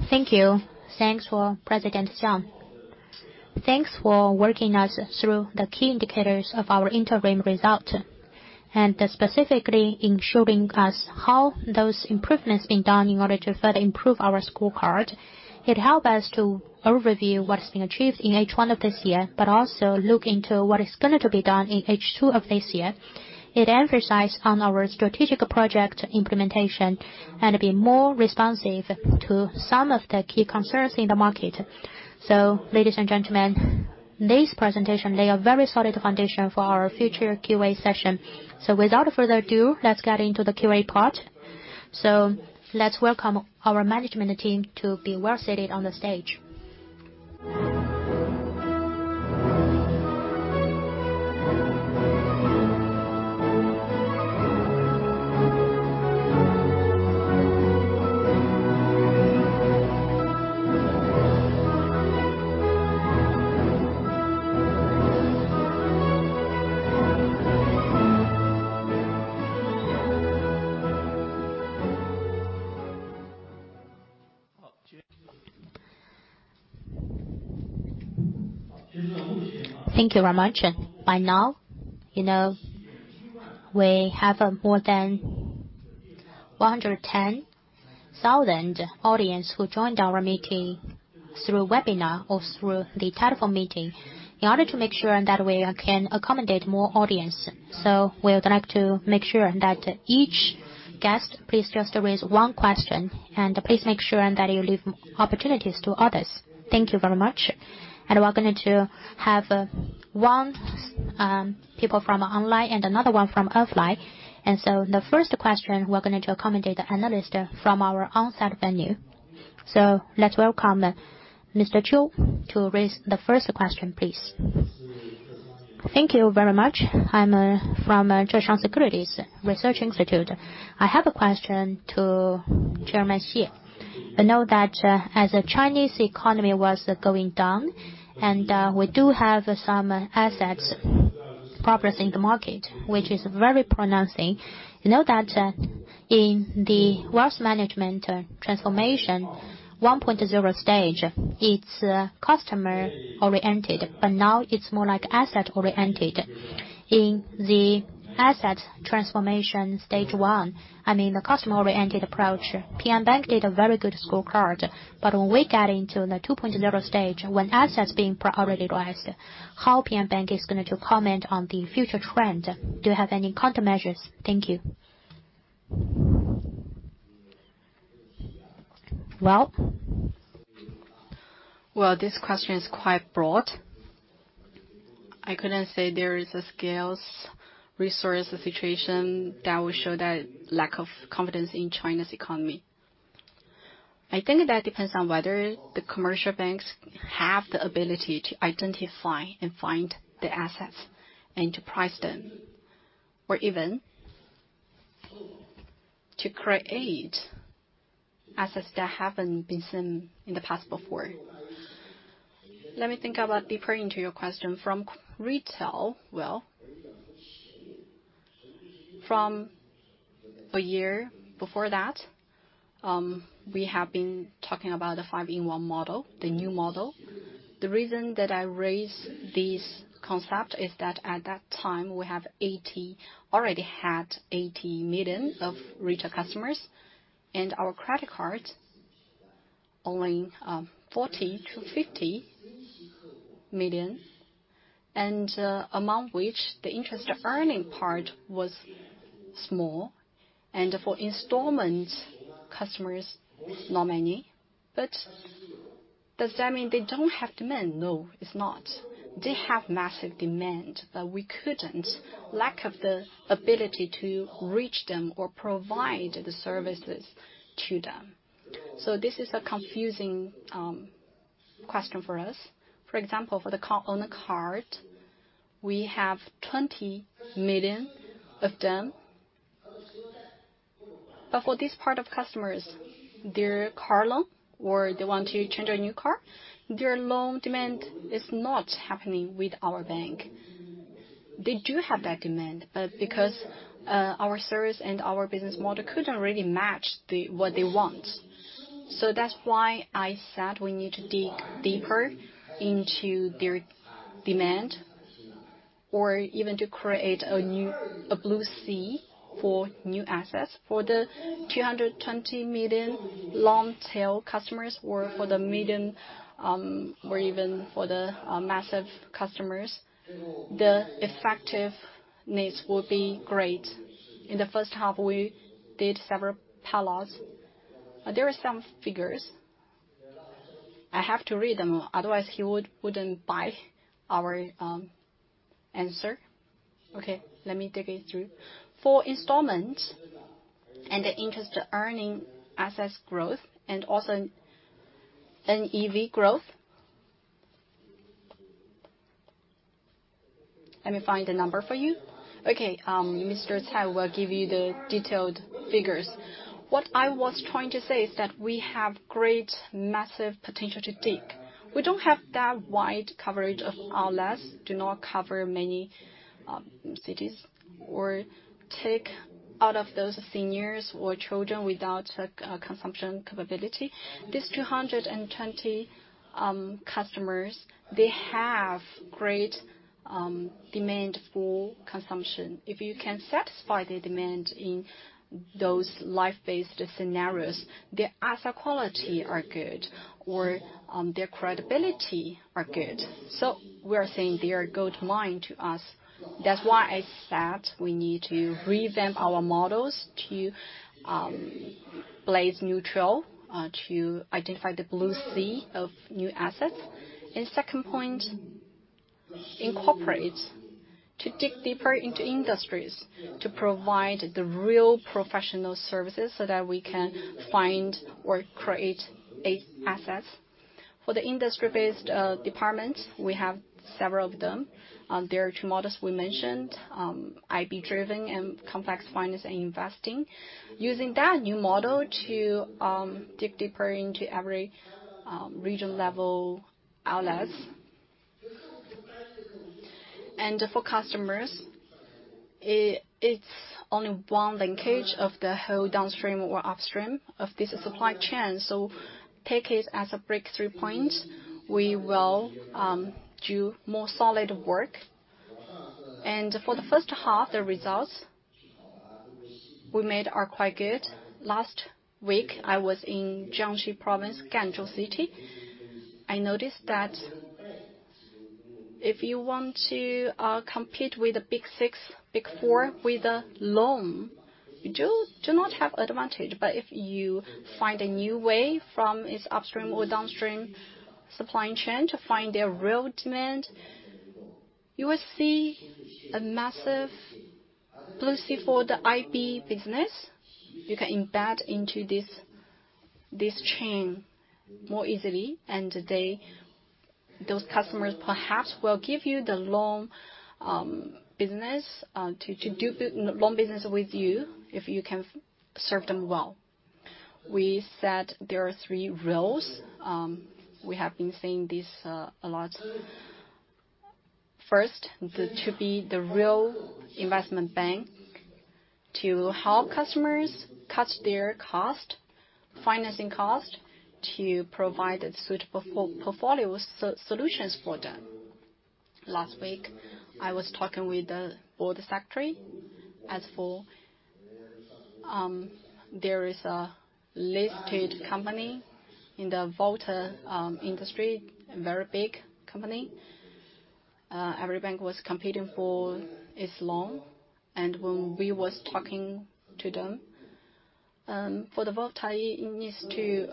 [SPEAKER 1] Thanks for Vice President Xiang. Thanks for walking us through the key indicators of our interim result and specifically in showing us how those improvements being done in order to further improve our scorecard. It help us to overview what has been achieved in H1 of this year but also look into what is going to be done in H2 of this year. It emphasize on our strategic project implementation and be more responsive to some of the key concerns in the market. Ladies and gentlemen, this presentation lay a very solid foundation for our future QA session. Without further ado, let's get into the QA part. Let's welcome our management team to be well seated on the stage. Thank you very much. By now, you know, we have more than 110,000 audience who joined our meeting through webinar or through the telephone meeting in order to make sure that we can accommodate more audience. We would like to make sure that each guest please just raise one question and please make sure that you leave opportunities to others. Thank you very much. We're going to have one person from online and another one from offline. The first question, we're going to accommodate analyst from our on-site venue. Let's welcome Mr. Qiu to raise the first question, please.
[SPEAKER 4] Thank you very much. I'm from Zheshang Securities Research Institute. I have a question to Chairman Xie. I know that as the Chinese economy was going down and we do have some assets progress in the market, which is very pronounced. I know that in the wealth management transformation 1.0 stage, it's customer-oriented but now it's more like asset-oriented. In the asset transformation stage one, I mean, the customer-oriented approach, Ping An Bank did a very good scorecard. When we get into the 2.0 stage, when assets being prioritized, how Ping An Bank is going to comment on the future trend? Do you have any countermeasures? Thank you.
[SPEAKER 2] Well, this question is quite broad. I couldn't say there is a scarce resource situation that will show that lack of confidence in China's economy. I think that depends on whether the commercial banks have the ability to identify and fund the assets and to price them or even to create assets that haven't been seen in the past before. Let me think a bit deeper into your question. From retail, well, from a year before that, we have been talking about the five-in-one model, the new model. The reason that I raised this concept is that at that time, we already had 80 million retail customers and our credit cards only 40-50 million and among which the interest earning part was small and for installment customers, not many. But does that mean they don't have demand? No, it's not. They have massive demand but lack of the ability to reach them or provide the services to them. This is a confusing question for us. For example, for the car owner card, we have 20 million of them. But for this part of customers, their car loan or they want to change a new car, their loan demand is not happening with our bank. They do have that demand but because our service and our business model couldn't really match what they want. That's why I said we need to dig deeper into their demand or even to create a new blue sea for new assets. For the 220 million long tail customers or for the medium or even for the massive customers, the effective needs will be great. In the first half, we did several pilots. There are some figures. I have to read them, otherwise he wouldn't buy our answer. Okay, let me take it through. For installments and the interest earning assets growth and also NAV growth. Let me find the number for you. Okay, Mr. Cai will give you the detailed figures. What I was trying to say is that we have great massive potential to dig. We don't have that wide coverage of outlets, do not cover many cities or take out of those seniors or children without a consumption capability. These 220 customers, they have great demand for consumption. If you can satisfy the demand in those life-based scenarios, their asset quality are good or their credibility are good. We are saying they are goldmine to us. That's why I said we need to revamp our models to blaze new trail to identify the blue sea of new assets. Second point, incorporate to dig deeper into industries to provide the real professional services so that we can find or create eight assets. For the industry-based department, we have several of them. There are two models we mentioned, IB driven and complex finance and investing. Using that new model to dig deeper into every region-level outlets. For customers, it's only one linkage of the whole downstream or upstream of this supply chain. Take it as a breakthrough point. We will do more solid work. For the first half, the results we made are quite good. Last week, I was in Jiangxi Province, Ganzhou City. I noticed that if you want to compete with the big six, big four with a loan, you do not have advantage. If you find a new way from its upstream or downstream supply chain to find their real demand, you will see a massive blue sea for the IB business. You can embed into this chain more easily and those customers perhaps will give you the loan business to do loan business with you if you can serve them well. We said there are three roles, we have been saying this a lot. First, to be the real investment bank to help customers cut their cost, financing cost to provide a suitable portfolio solutions for them. Last week, I was talking with the board secretary as for, there is a listed company in the Photovoltaic industry, a very big company. Every bank was competing for its loan. When we was talking to them, for the Photovoltaic, it needs to.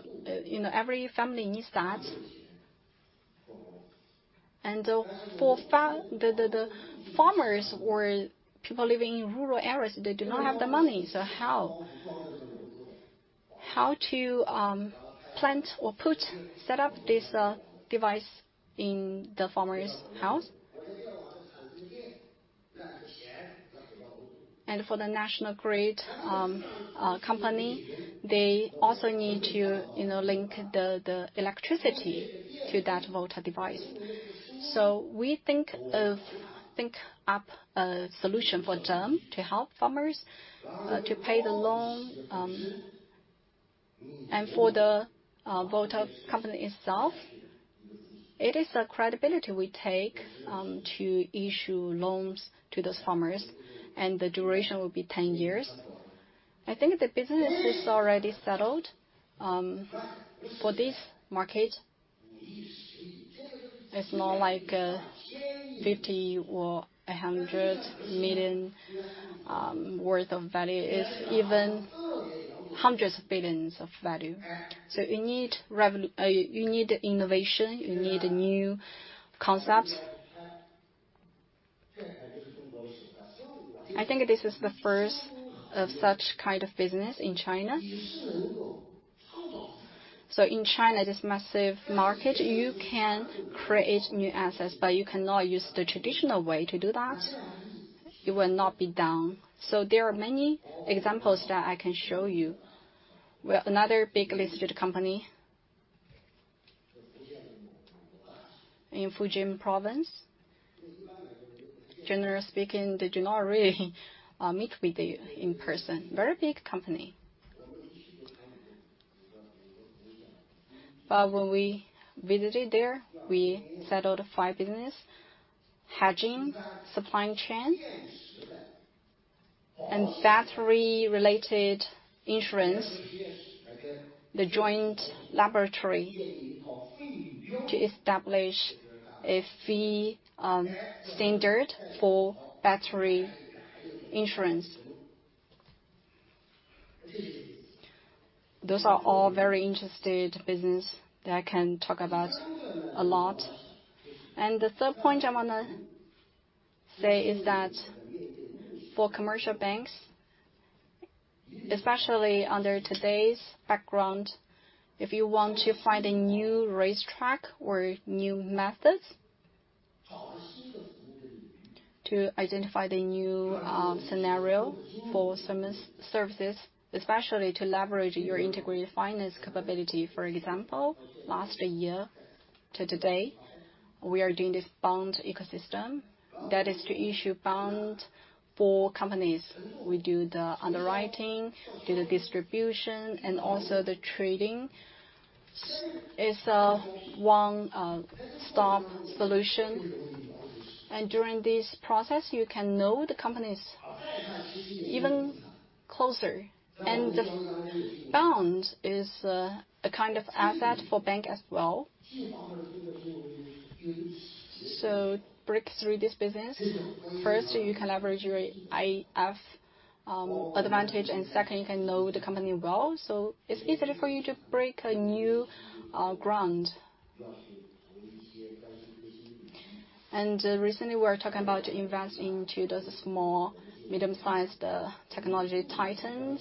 [SPEAKER 2] You know, every family needs that. For the farmers or people living in rural areas, they do not have the money. How? How to plant or set up this device in the farmer's house? For the national grid company, they also need to, you know, link the electricity to that Photovoltaic device. We think up a solution for them to help farmers to pay the loan. For the Photovoltaic company itself, it is a credibility we take to issue loans to those farmers and the duration will be 10 years. I think the business is already settled for this market. It's more like a 50 million or a 100 million worth of value. It's even hundreds of billions of value. You need innovation, you need new concepts. I think this is the first of such kind of business in China. In China, this massive market, you can create new assets but you cannot use the traditional way to do that. It will not be done. There are many examples that I can show you. We have another big listed company in Fujian province. Generally speaking, they do not really meet with you in person. Very big company. When we visited there, we settled five businesses. Hedging, supply chain and factory-related insurance. The joint laboratory to establish a fee standard for battery insurance. Those are all very interesting businesses that I can talk about a lot. The third point I wanna say is that for commercial banks, especially under today's background, if you want to find a new racetrack or new methods to identify the new scenario for some services, especially to leverage your integrated finance capability. For example, last year to today, we are doing this bond ecosystem. That is to issue bond for companies. We do the underwriting, do the distribution and also the trading. It's a one-stop solution. During this process, you can know the companies even closer and the bond is a kind of asset for bank as well. Break through this business. First, you can leverage your IF advantage and second, you can know the company well, so it's easier for you to break a new ground. Recently, we're talking about investing into the small medium-sized technology titans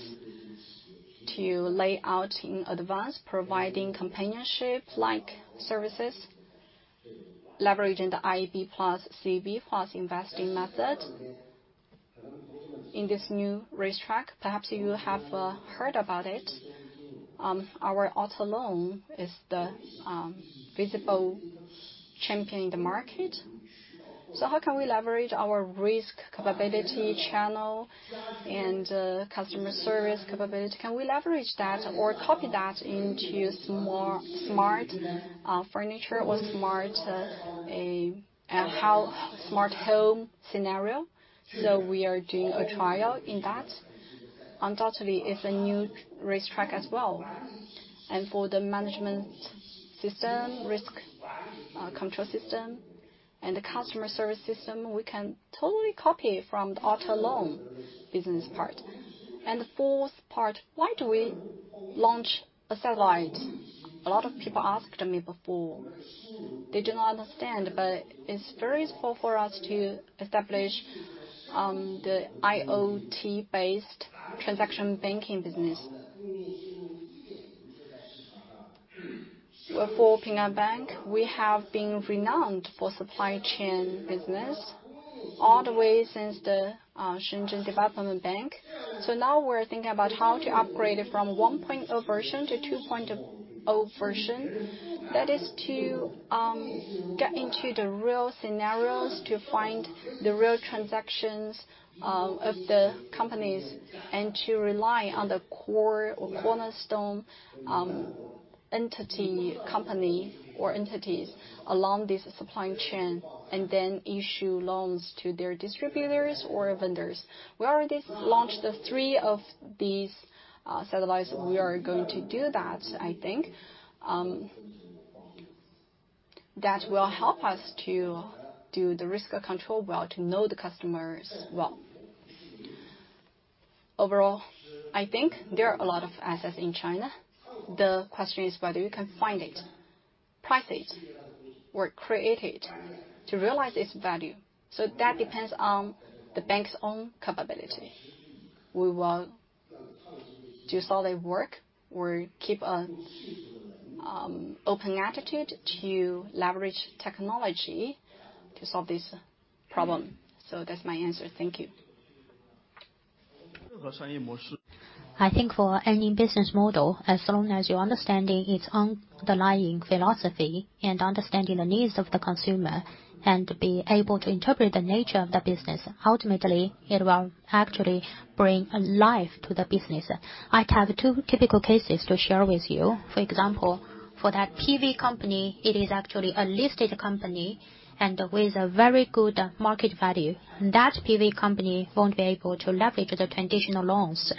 [SPEAKER 2] to lay out in advance, providing companionship-like services, leveraging the IB plus CB plus investing method. In this new racetrack, perhaps you have heard about it, our auto loan is the visible champion in the market. How can we leverage our risk capability channel and customer service capability? Can we leverage that or copy that into smart furniture or smart home scenario? We are doing a trial in that. Undoubtedly, it's a new racetrack as well. For the management system, risk control system and the customer service system, we can totally copy from the auto loan business part. The fourth part, why do we launch a satellite? A lot of people asked me before. They do not understand but it's very useful for us to establish the IoT-based transaction banking business. For Ping An Bank, we have been renowned for supply chain business all the way since the Shenzhen Development Bank. Now we're thinking about how to upgrade it from 1.0 version to 2.0 version. That is to get into the real scenarios to find the real transactions of the companies and to rely on the core or cornerstone entity company or entities along this supply chain and then issue loans to their distributors or vendors. We already launched the three of these satellites. We are going to do that, I think. That will help us to do the risk control well, to know the customers well. Overall, I think there are a lot of assets in China. The question is whether you can find it, price it or create it to realize its value. That depends on the bank's own capability. We will do solid work. We keep an open attitude to leverage technology to solve this problem. That's my answer. Thank you.
[SPEAKER 1] I think for any business model, as long as you're understanding its underlying philosophy and understanding the needs of the consumer and be able to interpret the nature of the business, ultimately, it will actually bring life to the business. I have two typical cases to share with you. For example, for that PV company, it is actually a listed company and with a very good market value. That PV company won't be able to leverage the traditional loans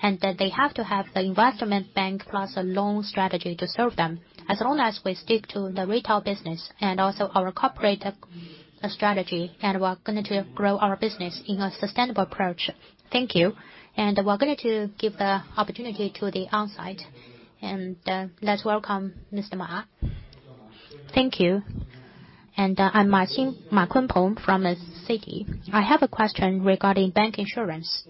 [SPEAKER 1] and that they have to have the investment bank plus a loan strategy to serve them. As long as we stick to the retail business and also our cooperative strategy and we're going to grow our business in a sustainable approach. Thank you. We're going to give the opportunity to the on-site. Let's welcome Mr. Ma.
[SPEAKER 5] Thank you. I'm Michelle Ma from Citi. I have a question regarding bank insurance.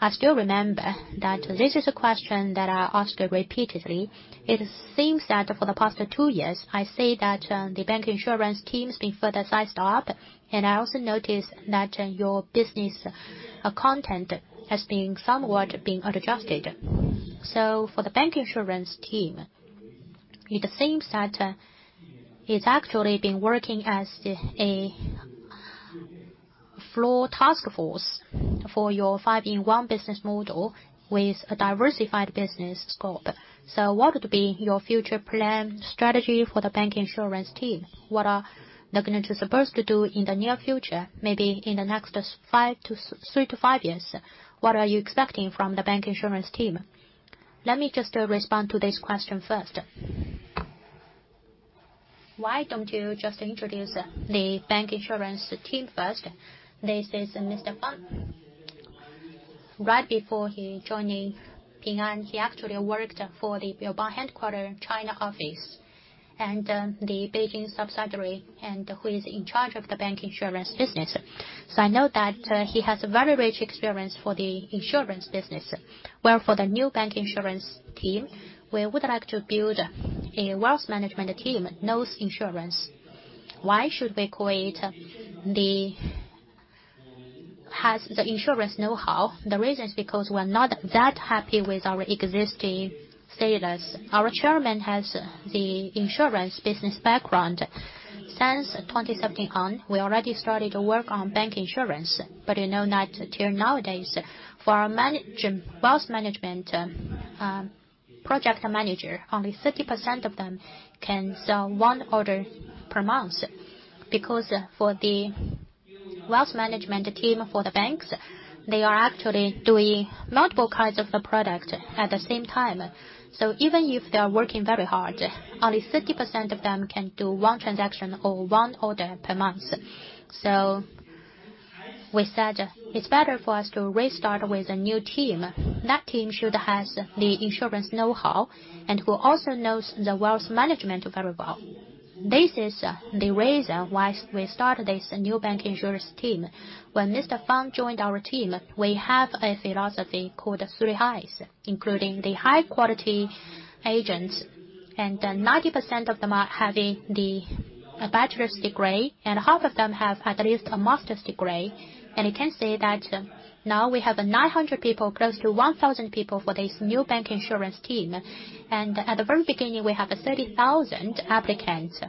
[SPEAKER 5] I still remember that this is a question that I asked repeatedly. It seems that for the past two years, the bank insurance team's been further sized up. I also noticed that your business content has been somewhat being adjusted. For the bank insurance team, it seems that it's actually been working as a floor task force for your five-in-one business model with a diversified business scope. What would be your future plan strategy for the bank insurance team? What are they going to supposed to do in the near future, maybe in the next three to five years? What are you expecting from the bank insurance team?
[SPEAKER 6] Let me just respond to this question first. Why don't you just introduce the bank insurance team first? This is Mr. Fang. Right before he joined Ping An, he actually worked for the BBVA, China office and the Beijing subsidiary and who is in charge of the bank insurance business. I know that he has a very rich experience for the insurance business. Well, for the new bank insurance team, we would like to build a wealth management team, knows insurance. Why should we create has the insurance know-how? The reason is because we're not that happy with our existing status. Our chairman has the insurance business background. Since 2017 on, we already started to work on bank insurance but you know, not till nowadays. For our wealth management project manager, only 30% of them can sell one order per month. Because for the wealth management team, for the banks, they are actually doing multiple kinds of the product at the same time. Even if they are working very hard, only 30% of them can do one transaction or one order per month. We said it's better for us to restart with a new team. That team should have the insurance know-how and who also knows the wealth management very well. This is the reason why we started this new bank insurance team. When Mr. Fang joined our team, we have a philosophy called Three Highs, including the high quality agents and 90% of them are having the bachelor's degree and half of them have at least a master's degree. You can say that now we have 900 people, close to 1,000 people for this new bank insurance team. At the very beginning, we have 30,000 applicants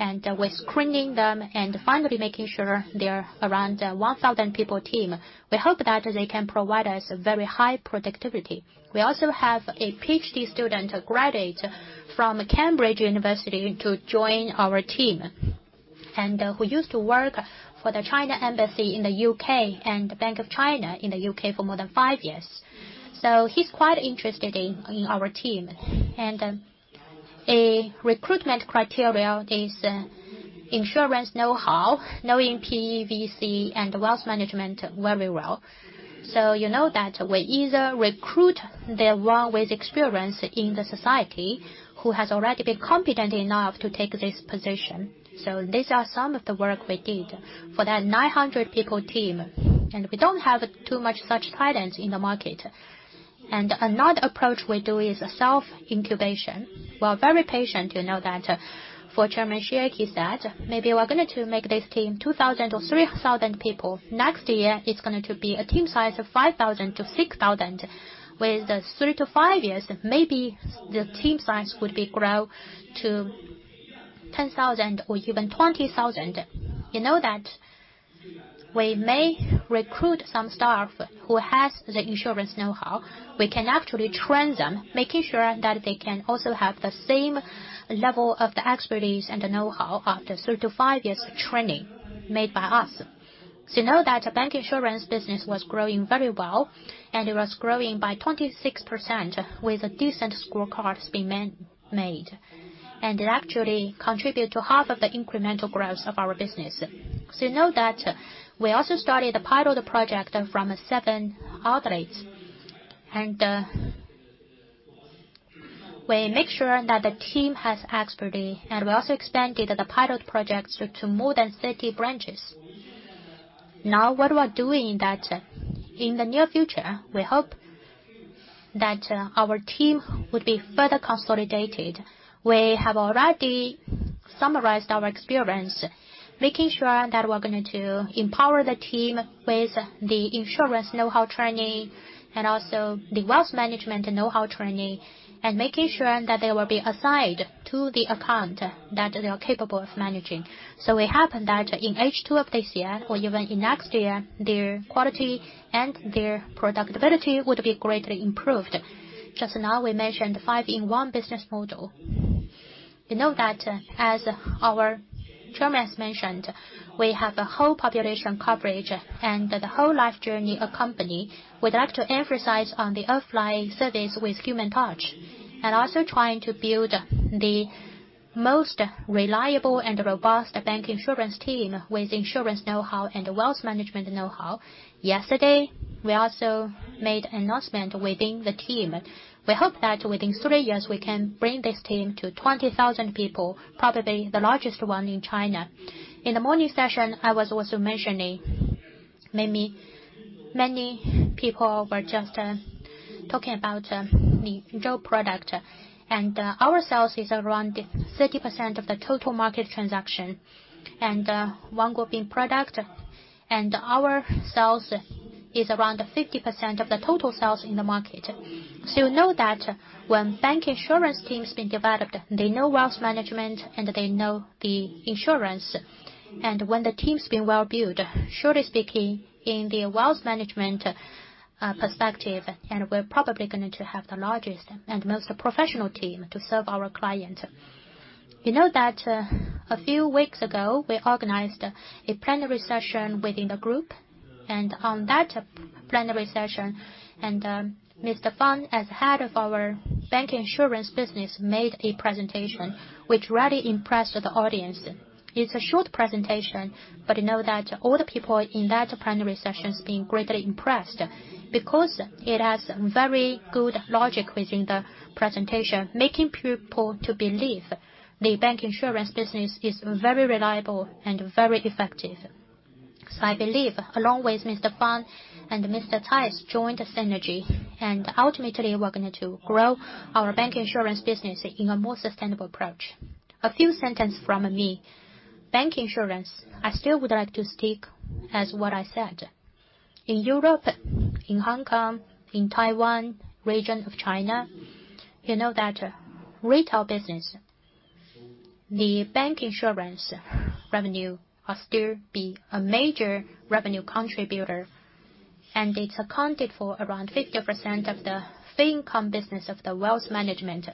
[SPEAKER 6] and we're screening them and finally making sure they're around a 1,000 people team. We hope that they can provide us very high productivity. We also have a PhD student graduate from University of Cambridge to join our team and who used to work for the Chinese Embassy in the U.K. and Bank of China in the U.K. for more than five years. He's quite interested in our team. A recruitment criteria is insurance know-how, knowing PE/VC and wealth management very well. You know that we either recruit the one with experience in the society who has already been competent enough to take this position. These are some of the work we did for that 900 people team. We don't have too much such talents in the market. Another approach we do is self-incubation. We're very patient, you know that. For Chairman Xie, he said, "Maybe we're going to make this team 2,000 or 3,000 people. Next year, it's going to be a team size of 5,000-6,000. With three-five years, maybe the team size could grow to 10,000 or even 20,000." You know that we may recruit some staff who has the insurance know-how. We can actually train them, making sure that they can also have the same level of the expertise and the know-how after three-five years training made by us. You know that bank insurance business was growing very well and it was growing by 26% with decent scorecards being made and it actually contribute to half of the incremental growth of our business. You know that we also started a pilot project from seven outlets and we make sure that the team has expertise. We also expanded the pilot projects to more than 30 branches. Now, what we are doing that in the near future, we hope that our team would be further consolidated. We have already summarized our experience, making sure that we're going to empower the team with the insurance know-how training and also the wealth management know-how training and making sure that they will be assigned to the account that they are capable of managing. It happened that in H2 of this year or even in next year, their quality and their productivity would be greatly improved. Just now we mentioned five-in-one business model. You know that as our chairman has mentioned, we have a whole population coverage and the whole life journey accompany. We'd like to emphasize on the offline service with human touch and also trying to build the most reliable and robust bank insurance team with insurance know-how and wealth management know-how. Yesterday, we also made announcement within the team. We hope that within three years, we can bring this team to 20,000 people, probably the largest one in China. In the morning session, I was also mentioning. Maybe many people were just talking about the Jubao product. Our sales is around 30% of the total market transaction. product and our sales is around 50% of the total sales in the market. You know that when bank insurance teams been developed, they know wealth management and they know the insurance. When the team's been well built, surely speaking, in the wealth management perspective and we're probably going to have the largest and most professional team to serve our clients. You know that, a few weeks ago, we organized a plenary session within the group and on that plenary session, Mr. Fang, as head of our bank insurance business, made a presentation which really impressed the audience. It's a short presentation but you know that all the people in that plenary session has been greatly impressed because it has very good logic within the presentation, making people to believe the bank insurance business is very reliable and very effective. I believe, along with Mr. Fang and Mr. Cai Xinfa's joint synergy and ultimately, we're going to grow our bank insurance business in a more sustainable approach.
[SPEAKER 2] A few sentences from me. Bank insurance, I still would like to stick as what I said. In Europe, in Hong Kong, in Taiwan, region of China, you know that retail business, the bank insurance revenue are still be a major revenue contributor and it's accounted for around 50% of the fee income business of the wealth management.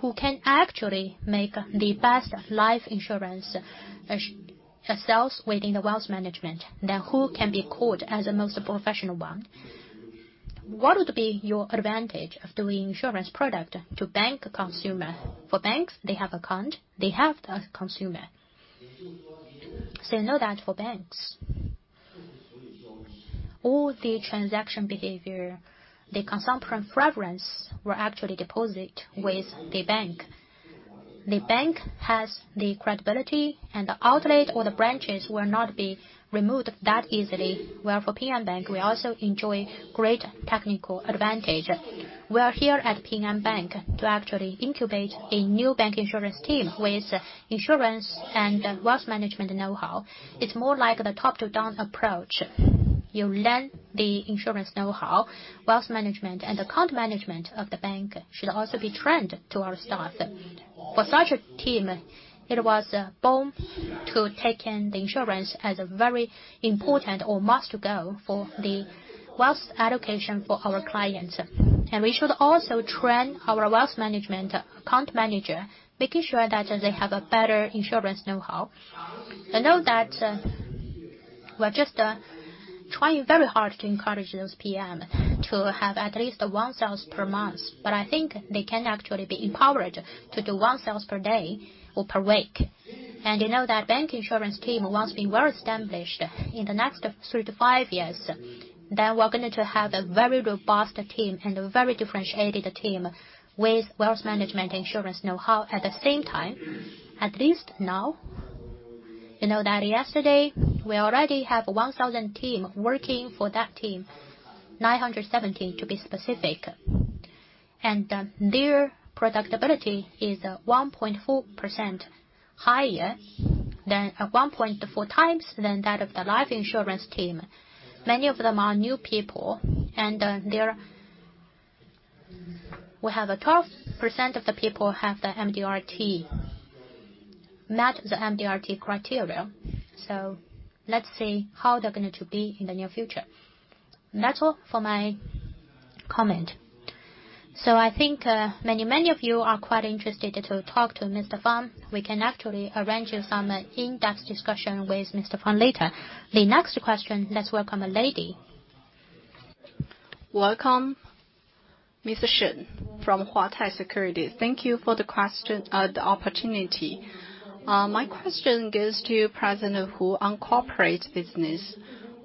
[SPEAKER 2] Who can actually make the best life insurance as sales within the wealth management? Who can be called as the most professional one? What would be your advantage of doing insurance product to bank consumer? For banks, they have account, they have the consumer. You know that for banks, all the transaction behavior, the consumption preference will actually deposit with the bank. The bank has the credibility and the outlet or the branches will not be removed that easily. Whereas for Ping An Bank, we also enjoy great technical advantage. We are here at Ping An Bank to actually incubate a new bank insurance team with insurance and wealth management know-how. It's more like the top-to-down approach. You learn the insurance know-how, wealth management and account management of the bank should also be trained to our staff. For such a team, it was born to take in the insurance as a very important or must go for the wealth allocation for our clients. We should also train our wealth management account manager, making sure that they have a better insurance know-how. I know that, we're just trying very hard to encourage those PM to have at least one sales per month. I think they can actually be empowered to do one sales per day or per week. You know that bank insurance team, once being well established in the next three-five years, then we're going to have a very robust team and a very differentiated team with wealth management insurance know-how at the same time. At least now, you know that yesterday, we already have 1,000 team working for that team, 970 to be specific. Their predictability is 1.4% higher than 1.4 times than that of the life insurance team. Many of them are new people and we have 12% of the people have the MDRT, met the MDRT criteria. Let's see how they're going to be in the near future. That's all for my comment.
[SPEAKER 1] I think many of you are quite interested to talk to Mr. Fang. We can actually arrange you some in-depth discussion with Mr. Fang later. The next question. Let's welcome a lady.
[SPEAKER 7] Welcome, Mr. Shen from Huatai Securities. Thank you for the opportunity. My question goes to President Hu on corporate business.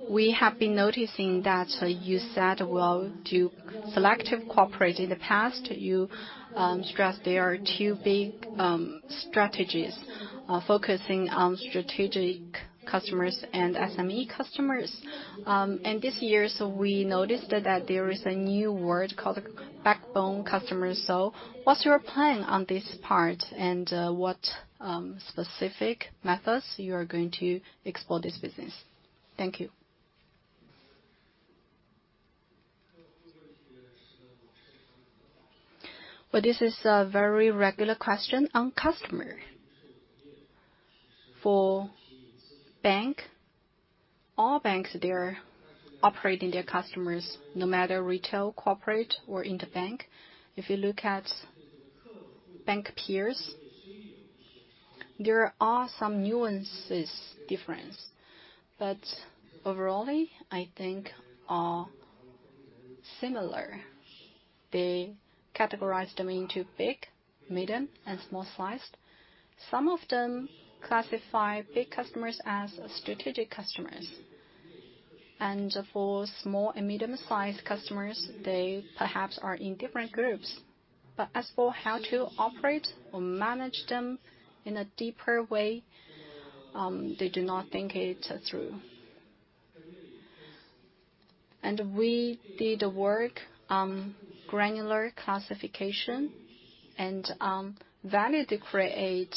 [SPEAKER 7] We have been noticing that you said you will do selective corporate. In the past, you stressed there are two big strategies, focusing on strategic customers and SME customers. This year, we noticed that there is a new word called backbone customers. What's your plan on this part and what specific methods you are going to explore this business? Thank you.
[SPEAKER 6] Well, this is a very regular question on customer. For bank, all banks, they're operating their customers, no matter retail, corporate or interbank. If you look at bank peers, there are some nuances difference but overall, I think are similar. They categorize them into big, medium and small sized. Some of them classify big customers as strategic customers. For small and medium-sized customers, they perhaps are in different groups. As for how to operate or manage them in a deeper way, they do not think it through. We did work on granular classification and on value they create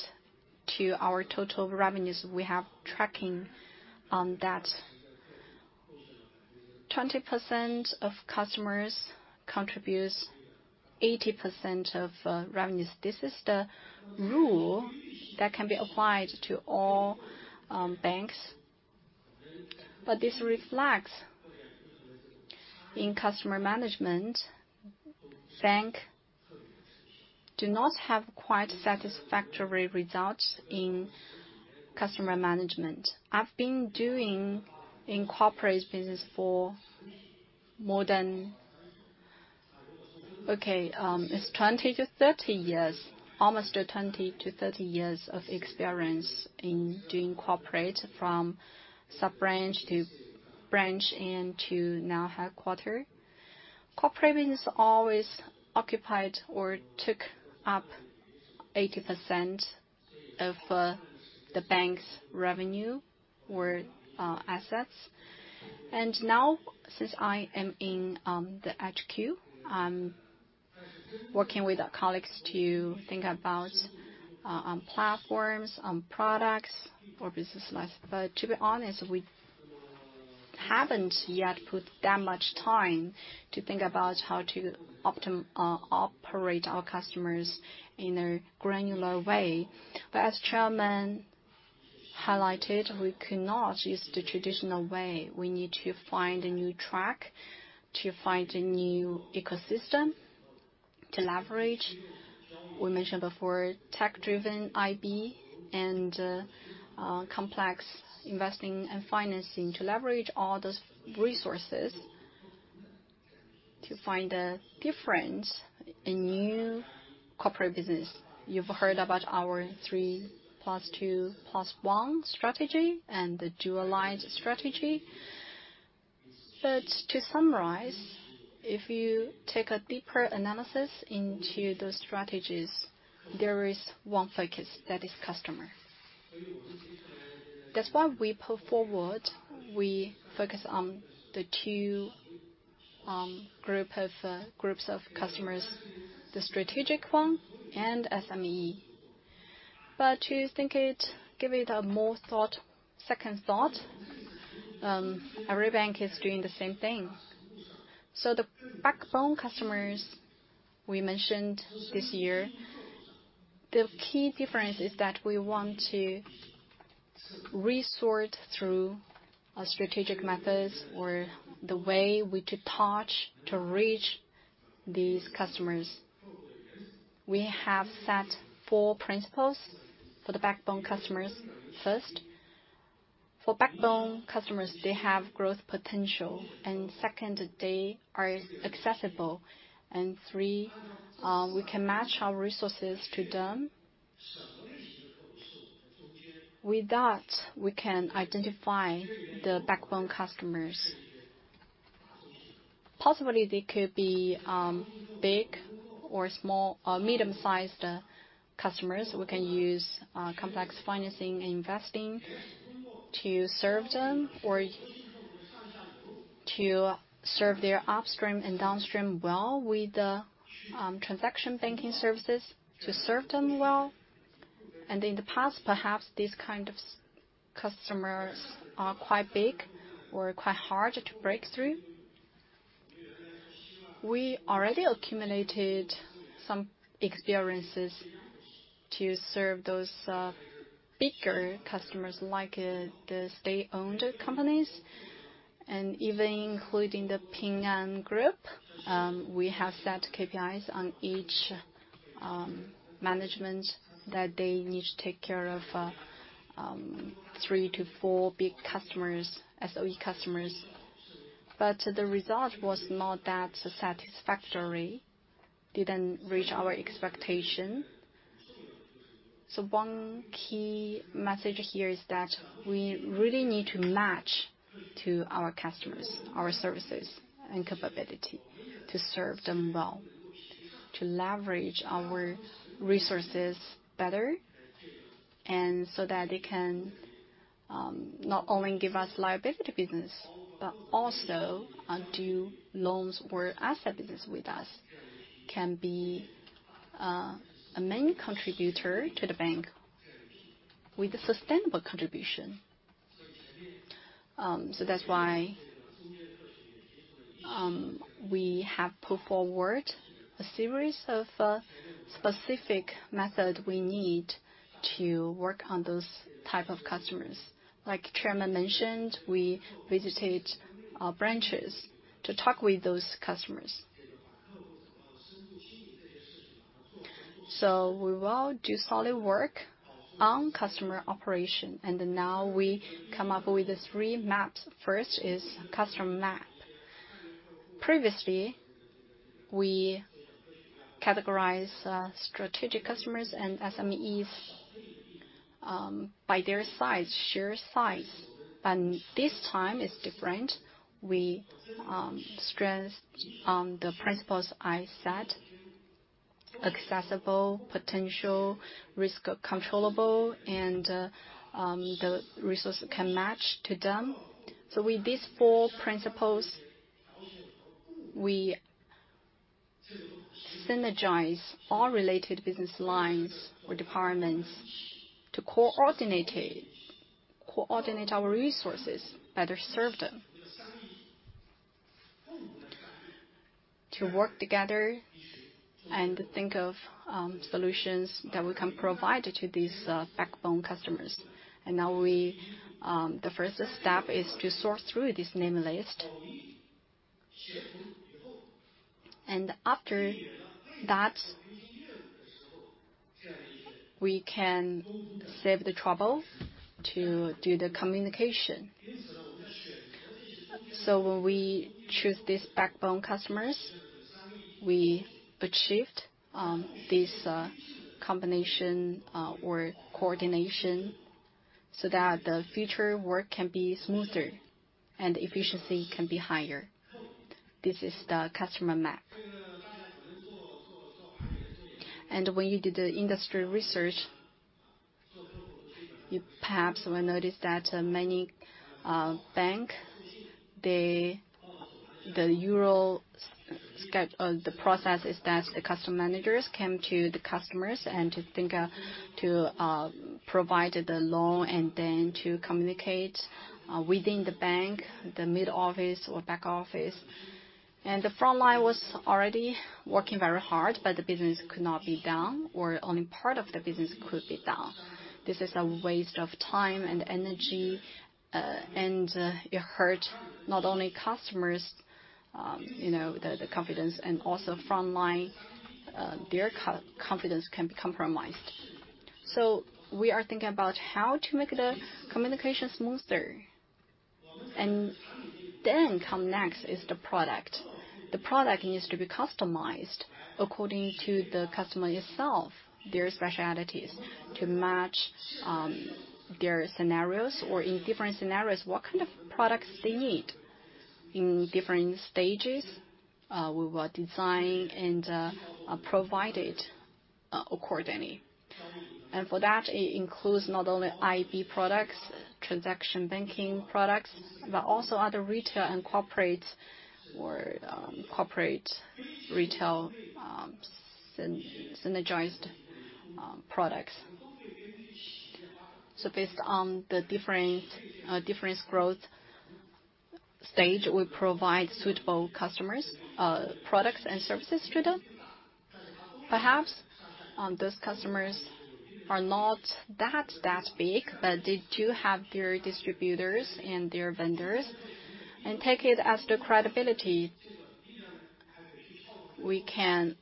[SPEAKER 6] to our total revenues. We have tracking on that. 20% of customers contributes 80% of revenues. This is the rule that can be applied to all banks. This reflects in customer management, bank do not have quite satisfactory results in customer management. I've been doing in corporate business for 20 to 30 years. Almost 20 to 30 years of experience in doing corporate from sub-branch to branch and to now headquarters. Corporate business always occupied or took up 80% of the bank's revenue or assets. Now, since I am in the HQ, I'm working with our colleagues to think about on platforms, on products for business. To be honest, we haven't yet put that much time to think about how to operate our customers in a granular way. As Chairman highlighted, we cannot use the traditional way. We need to find a new track, to find a new ecosystem to leverage. We mentioned before, tech-driven IB and complex investing and financing to leverage all those resources to find a difference, a new corporate business. You've heard about our three plus two plus one strategy and the dualized strategy. To summarize, if you take a deeper analysis into the strategies, there is one focus, that is customer. That's why we put forward, we focus on the two groups of customers, the strategic one and SME. But to think it, give it a second thought, every bank is doing the same thing. The backbone customers we mentioned this year, the key difference is that we want to resort through a strategic methods or the way we could touch to reach these customers. We have set four principles for the backbone customers. First, for backbone customers, they have growth potential. Second, they are accessible. Three, we can match our resources to them. With that, we can identify the backbone customers. Possibly they could be big or small or medium-sized customers. We can use complex financing and investing to serve them or to serve their upstream and downstream well with the transaction banking services to serve them well. In the past, perhaps these kind of customers are quite big or quite hard to break through. We already accumulated some experiences to serve those bigger customers like the state-owned companies and even including the Ping An Group. We have set KPIs on each management that they need to take care of 3 to 4 big customers, SOE customers. The result was not that satisfactory, didn't reach our expectation. One key message here is that we really need to match to our customers, our services and capability to serve them well, to leverage our resources better and so that they can not only give us liability business but also do loans or asset business with us and be a main contributor to the bank with a sustainable contribution. That's why we have put forward a series of specific methods we need to work on those types of customers. Like Chairman mentioned, we visited our branches to talk with those customers. We will do solid work on customer operation and now we come up with the three maps. First is customer map. Previously, we categorize strategic customers and SMEs by their size. This time it's different. We stress on the principles I said, accessible, potential, risk controllable and the resource can match to them. With these four principles, we synergize all related business lines or departments to coordinate our resources better serve them. To work together and think of solutions that we can provide to these backbone customers. Now, the first step is to sort through this name list. After that, we can save the trouble to do the communication. When we choose these backbone customers, we achieved this combination or coordination so that the future work can be smoother and efficiency can be higher. This is the customer map. When you did the industry research, you perhaps will notice that many banks, they. The usual process is that the customer managers come to the customers and to provide the loan and then to communicate within the bank, the mid-office or back office. The frontline was already working very hard but the business could not be done or only part of the business could be done. This is a waste of time and energy and it hurt not only customers, you know, the confidence and also frontline, their confidence can be compromised. We are thinking about how to make the communication smoother. Come next is the product. The product needs to be customized according to the customer itself, their specialties to match their scenarios or in different scenarios, what kind of products they need. In different stages, we will design and provide it accordingly. For that, it includes not only IB products, transaction banking products but also other retail and corporate or corporate retail synergized products. Based on the different growth stage, we provide suitable products and services to customers. Perhaps those customers are not that big but they do have their distributors and their vendors. Take it as the credibility we can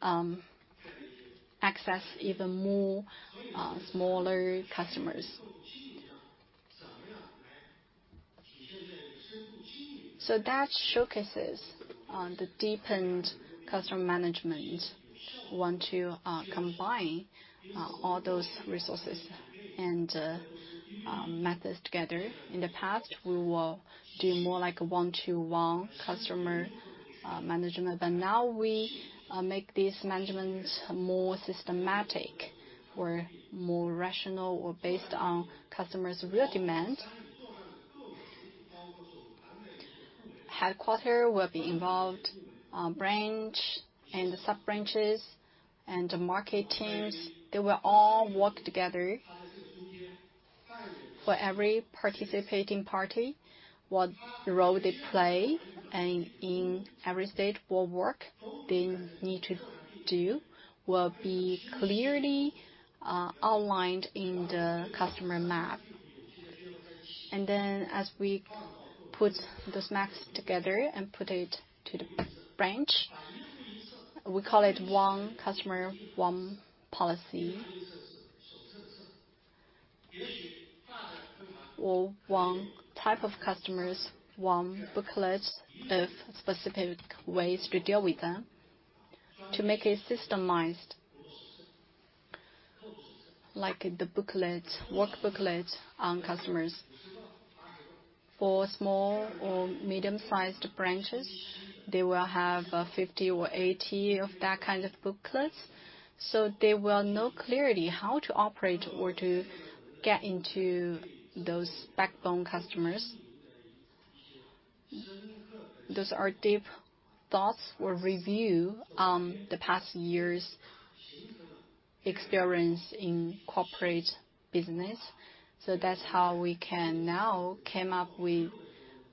[SPEAKER 6] access even more smaller customers. That showcases the deepened customer management. We want to combine all those resources and methods together. In the past, we will do more like a one-to-one customer management but now we make these managements more systematic or more rational or based on customers' real demand. Headquarters will be involved, branch and the sub-branches and the market teams, they will all work together. For every participating party, what role they play and in every stage of work they need to do, will be clearly outlined in the customer map. Then as we put those maps together and put it to the branch, we call it one customer, one policy. One type of customers, one booklet of specific ways to deal with them to make it systematized. Like the booklet, work booklet on customers. For small or medium-sized branches, they will have 50 or 80 of that kind of booklets, so they will know clearly how to operate or to get into those backbone customers. Those are deep thoughts or review on the past years' experience in corporate business. That's how we can now come up with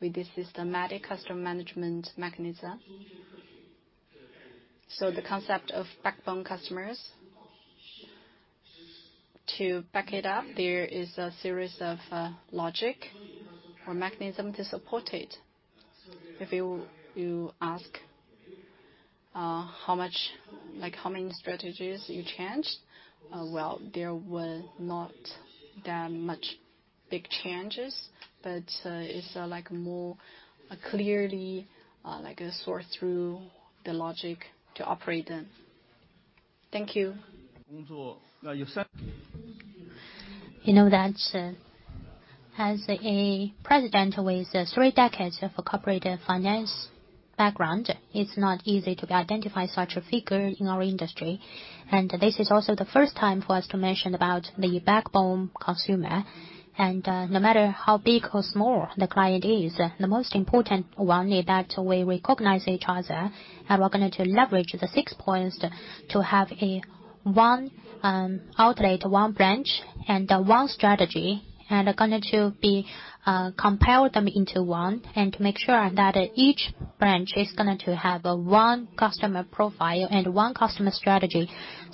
[SPEAKER 6] this systematic customer management mechanism. The concept of backbone customers. To back it up, there is a series of logic or mechanism to support it. If you ask how many strategies you changed? Well, there were not that much big changes but it's like more clearly, like a sort through the logic to operate them.
[SPEAKER 1] Thank you. You know that, as a president with three decades of a corporate finance background, it's not easy to identify such a figure in our industry. This is also the first time for us to mention about the backbone consumer. No matter how big or small the client is, the most important one is that we recognize each other and we're going to leverage the six points to have a one outlet, one branch and one strategy. We're going to combine them into one and make sure that each branch is going to have a one customer profile and one customer strategy.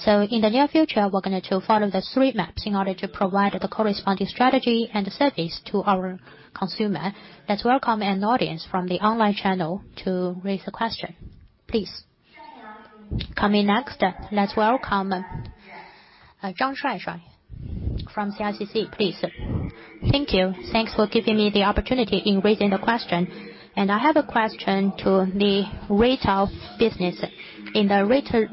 [SPEAKER 1] In the near future, we're going to follow the three maps in order to provide the corresponding strategy and the service to our consumer. Let's welcome an audience from the online channel to raise a question, please. Coming next, let's welcome Tian Dan from CICC, please. Thank you.
[SPEAKER 8] Thanks for giving me the opportunity in raising the question. I have a question to the retail business. In the retail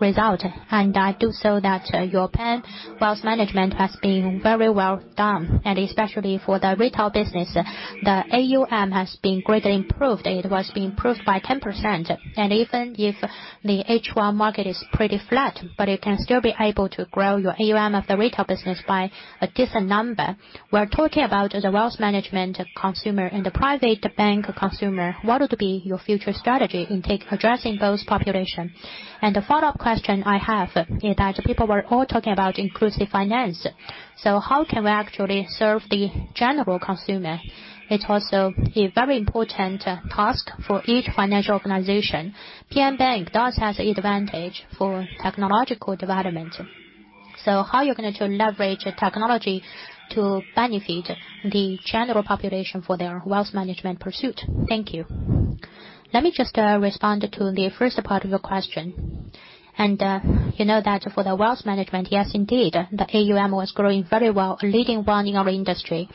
[SPEAKER 8] result, I must say that your Ping An Wealth Management has been very well done. Especially for the retail business, the AUM has been greatly improved. It was improved by 10%. Even if the wealth market is pretty flat, it can still be able to grow your AUM of the retail business by a decent number. We're talking about the wealth management consumer and the private bank consumer. What would be your future strategy in addressing those population? The follow-up question I have is that people were all talking about inclusive finance. How can we actually serve the general consumer? It's also a very important task for each financial organization. Ping An Bank does have advantage for technological development. How you're going to leverage technology to benefit the general population for their wealth management pursuit? Thank you.
[SPEAKER 6] Let me just respond to the first part of your question. You know that for the wealth management, yes, indeed, the AUM was growing very well, leading one in our industry.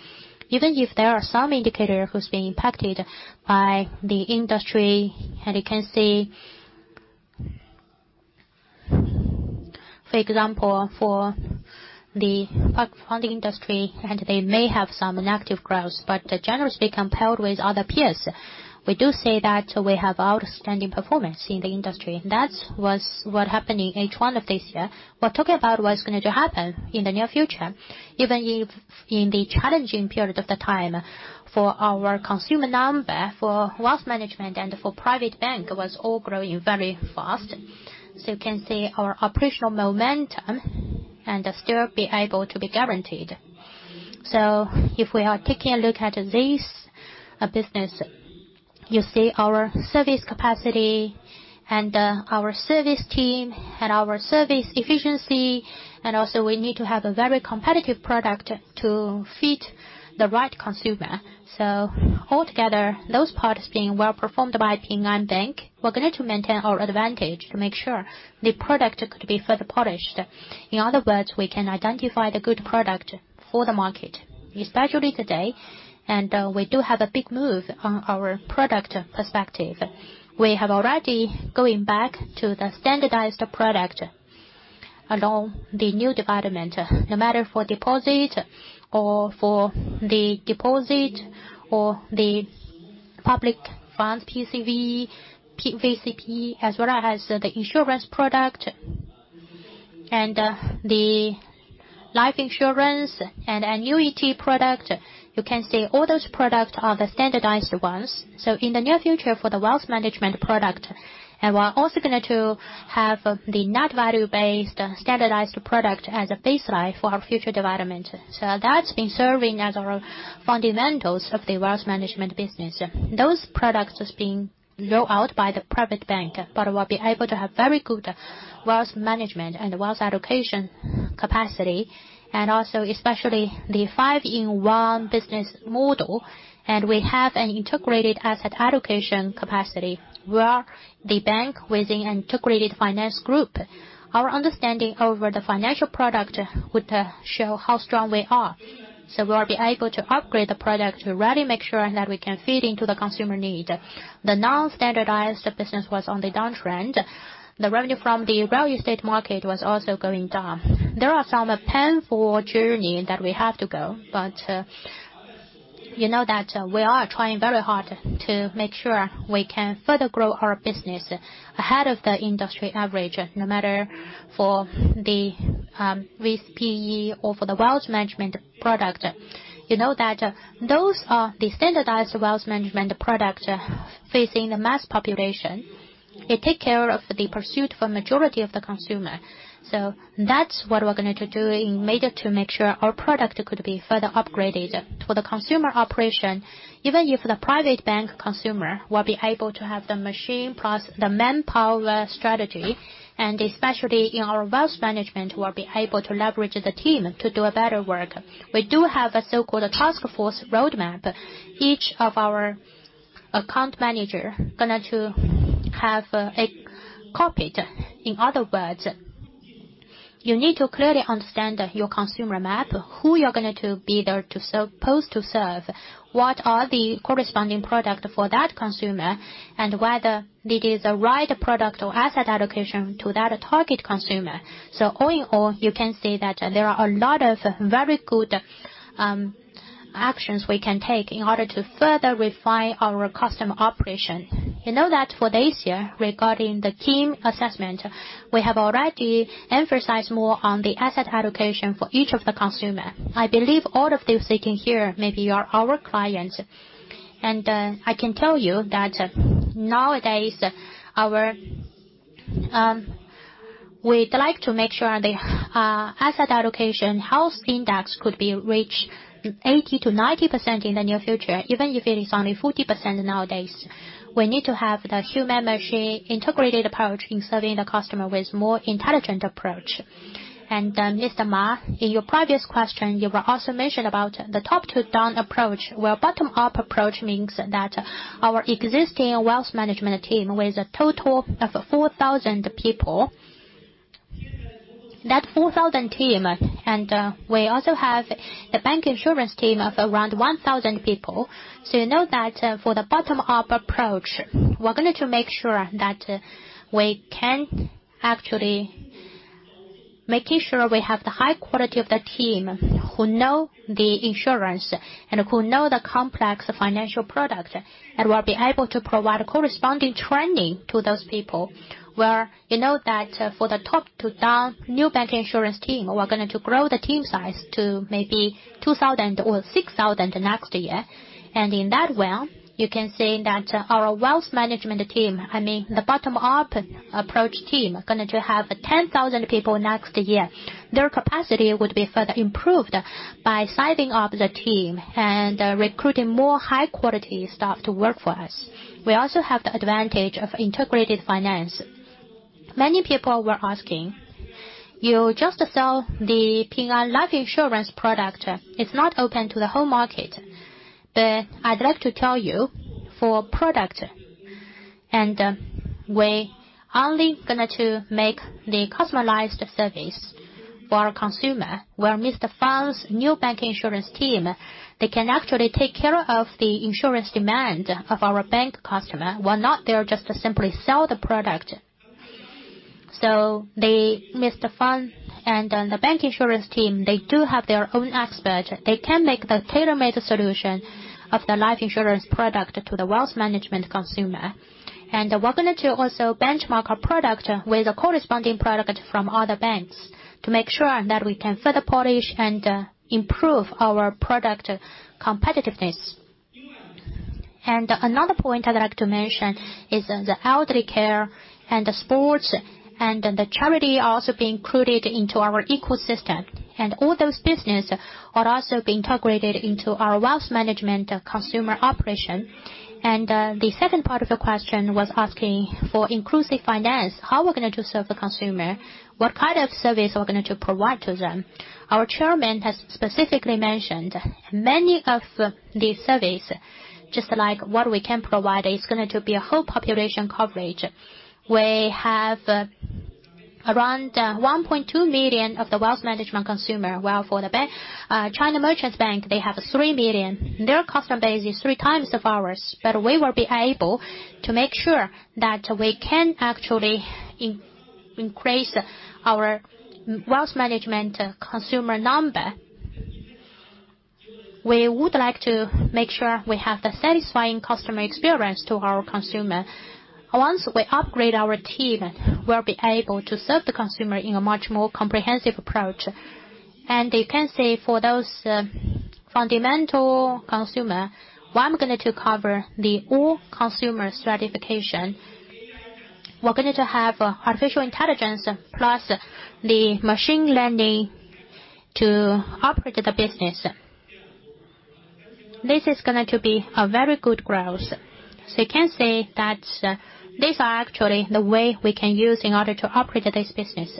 [SPEAKER 6] Even if there are some indicator who's been impacted by the industry and you can see. For example, for the private fund industry and they may have some negative growth. Generally compared with other peers, we do say that we have outstanding performance in the industry. That was what happened in H1 of this year. We're talking about what's going to happen in the near future. Even if in the challenging period of the time for our consumer number, for wealth management and for private bank was all growing very fast. You can see our operational momentum and still be able to be guaranteed. If we are taking a look at this business, you see our service capacity and our service team and our service efficiency and also we need to have a very competitive product to fit the right consumer. Altogether, those parts being well-performed by Ping An Bank, we're gonna to maintain our advantage to make sure the product could be further polished. In other words, we can identify the good product for the market, especially today and we do have a big move on our product perspective. We have already gone back to the standardized product along the new development, no matter for deposit or the public funds, PE, VC/PE, as well as the insurance product and the life insurance and annuity product. You can see all those products are the standardized ones. In the near future for the wealth management product and we're also gonna have the net value based standardized product as a baseline for our future development. That's been serving as our fundamentals of the wealth management business. Those products has been rolled out by the private bank but we'll be able to have very good wealth management and wealth education capacity and also especially the five-in-one business model. We have an integrated asset allocation capacity. We are the bank within an integrated finance group. Our understanding over the financial product would show how strong we are. We'll be able to upgrade the product to really make sure that we can fit into the consumer need. The non-standardized business was on the downtrend. The revenue from the real estate market was also going down. There are some painful journey that we have to go but you know that we are trying very hard to make sure we can further grow our business ahead of the industry average, no matter for the VC/PE or for the wealth management product. You know that those are the standardized wealth management products facing the mass population. They take care of the pursuit for majority of the consumer. That's what we're gonna do in order to make sure our product could be further upgraded. For the consumer operation, even if the private bank consumer will be able to have the machine plus the manpower stratey and especially in our wealth management, we'll be able to leverage the team to do a better work. We do have a so-called task force roadmap. Each of our account manager gonna to have a cockpit. In other words you need to clearly understand your consumer map, who you're gonna to be there to supposed to serve, what are the corresponding product for that consumer and whether it is a right product or asset allocation to that target consumer. All in all, you can see that there are a lot of very good actions we can take in order to further refine our customer operation. You know that for this year, regarding the team assessment, we have already emphasized more on the asset allocation for each of the customer. I believe all of you sitting here, maybe you are our clients. I can tell you that nowadays, we'd like to make sure the asset allocation house index could be reached 80%-90% in the near future, even if it is only 40% nowadays. We need to have the human machine integrated approach in serving the customer with more intelligent approach. Mr. Ma, in your previous question, you also mentioned about the top-to-down approach, where bottom-up approach means that our existing wealth management team, with a total of 4,000 people. That 4,000 team and we also have a bank insurance team of around 1,000 people. You know that for the bottom-up approach, we're going to make sure that we have the high quality of the team who know the insurance and who know the complex financial products and will be able to provide corresponding training to those people. You know that for the top-down new bancassurance team, we're going to grow the team size to maybe 2,000 or 6,000 next year. In that way, you can say that our wealth management team, I mean, the bottom-up approach team, are going to have 10,000 people next year. Their capacity would be further improved by sizing up the team and recruiting more high-quality staff to work for us. We also have the advantage of integrated finance. Many people were asking, "You just sell the Ping An Life Insurance product. It's not open to the whole market." I'd like to tell you, for product and, we're only going to make the customized service for our consumer, where Mr. Fang's new bank insurance team, they can actually take care of the insurance demand of our bank customer. We're not there just to simply sell the product. They, Mr. Fang and, the bank insurance team, they do have their own expert. They can make the tailor-made solution of the life insurance product to the wealth management consumer. We're going to also benchmark our product with a corresponding product from other banks to make sure that we can further polish and, improve our product competitiveness. Another point I'd like to mention is, the elderly care and the sports and the charity are also being included into our ecosystem. All those business are also being integrated into our wealth management consumer operation. The second part of the question was asking for inclusive finance. How we're going to serve the consumer? What kind of service we're going to provide to them? Our chairman has specifically mentioned many of these surveys, just like what we can provide, is going to be a whole population coverage. We have around 1.2 million of the wealth management consumer, while for the bank, China Merchants Bank, they have 3 million. Their customer base is three times of ours but we will be able to make sure that we can actually increase our wealth management consumer number. We would like to make sure we have the satisfying customer experience to our consumer. Once we upgrade our team, we'll be able to serve the consumer in a much more comprehensive approach. You can say for those fundamental consumer. Well, I'm going to cover the overall consumer stratification. We're going to have artificial intelligence plus the machine learning to operate the business. This is going to be a very good growth. You can say that these are actually the way we can use in order to operate this business.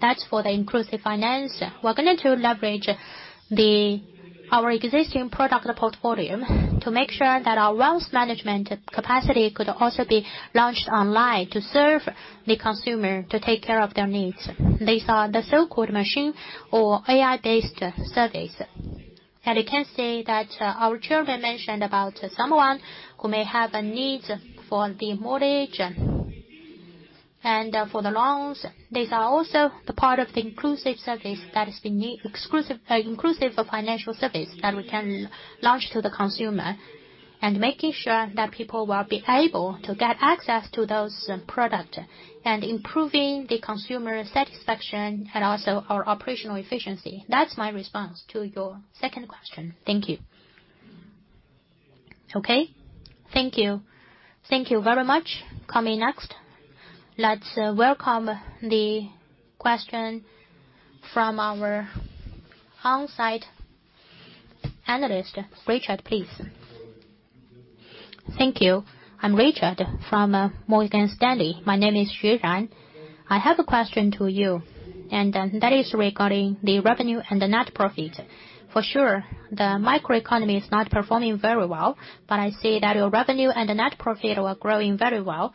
[SPEAKER 6] That's for the inclusive finance. We're going to leverage our existing product portfolio to make sure that our wealth management capacity could also be launched online to serve the consumer to take care of their needs. These are the so-called machine or AI-based services. You can say that our chairman mentioned about someone who may have a need for the mortgage and for the loans. These are also the part of the inclusive service that is being inclusive of financial service that we can launch to the consumer. Making sure that people will be able to get access to those product and improving the consumer satisfaction and also our operational efficiency. That's my response to your second question. Thank you.
[SPEAKER 8] Okay. Thank you.
[SPEAKER 1] Thank you very much. Coming next. Let's welcome the question from our on-site analyst, Richard. Please.
[SPEAKER 9] Thank you. I'm Richard from Morgan Stanley. My name is Xu Ran. I have a question to you, that is regarding the revenue and the net profit. For sure, the macroeconomy is not performing very well but I see that your revenue and the net profit were growing very well.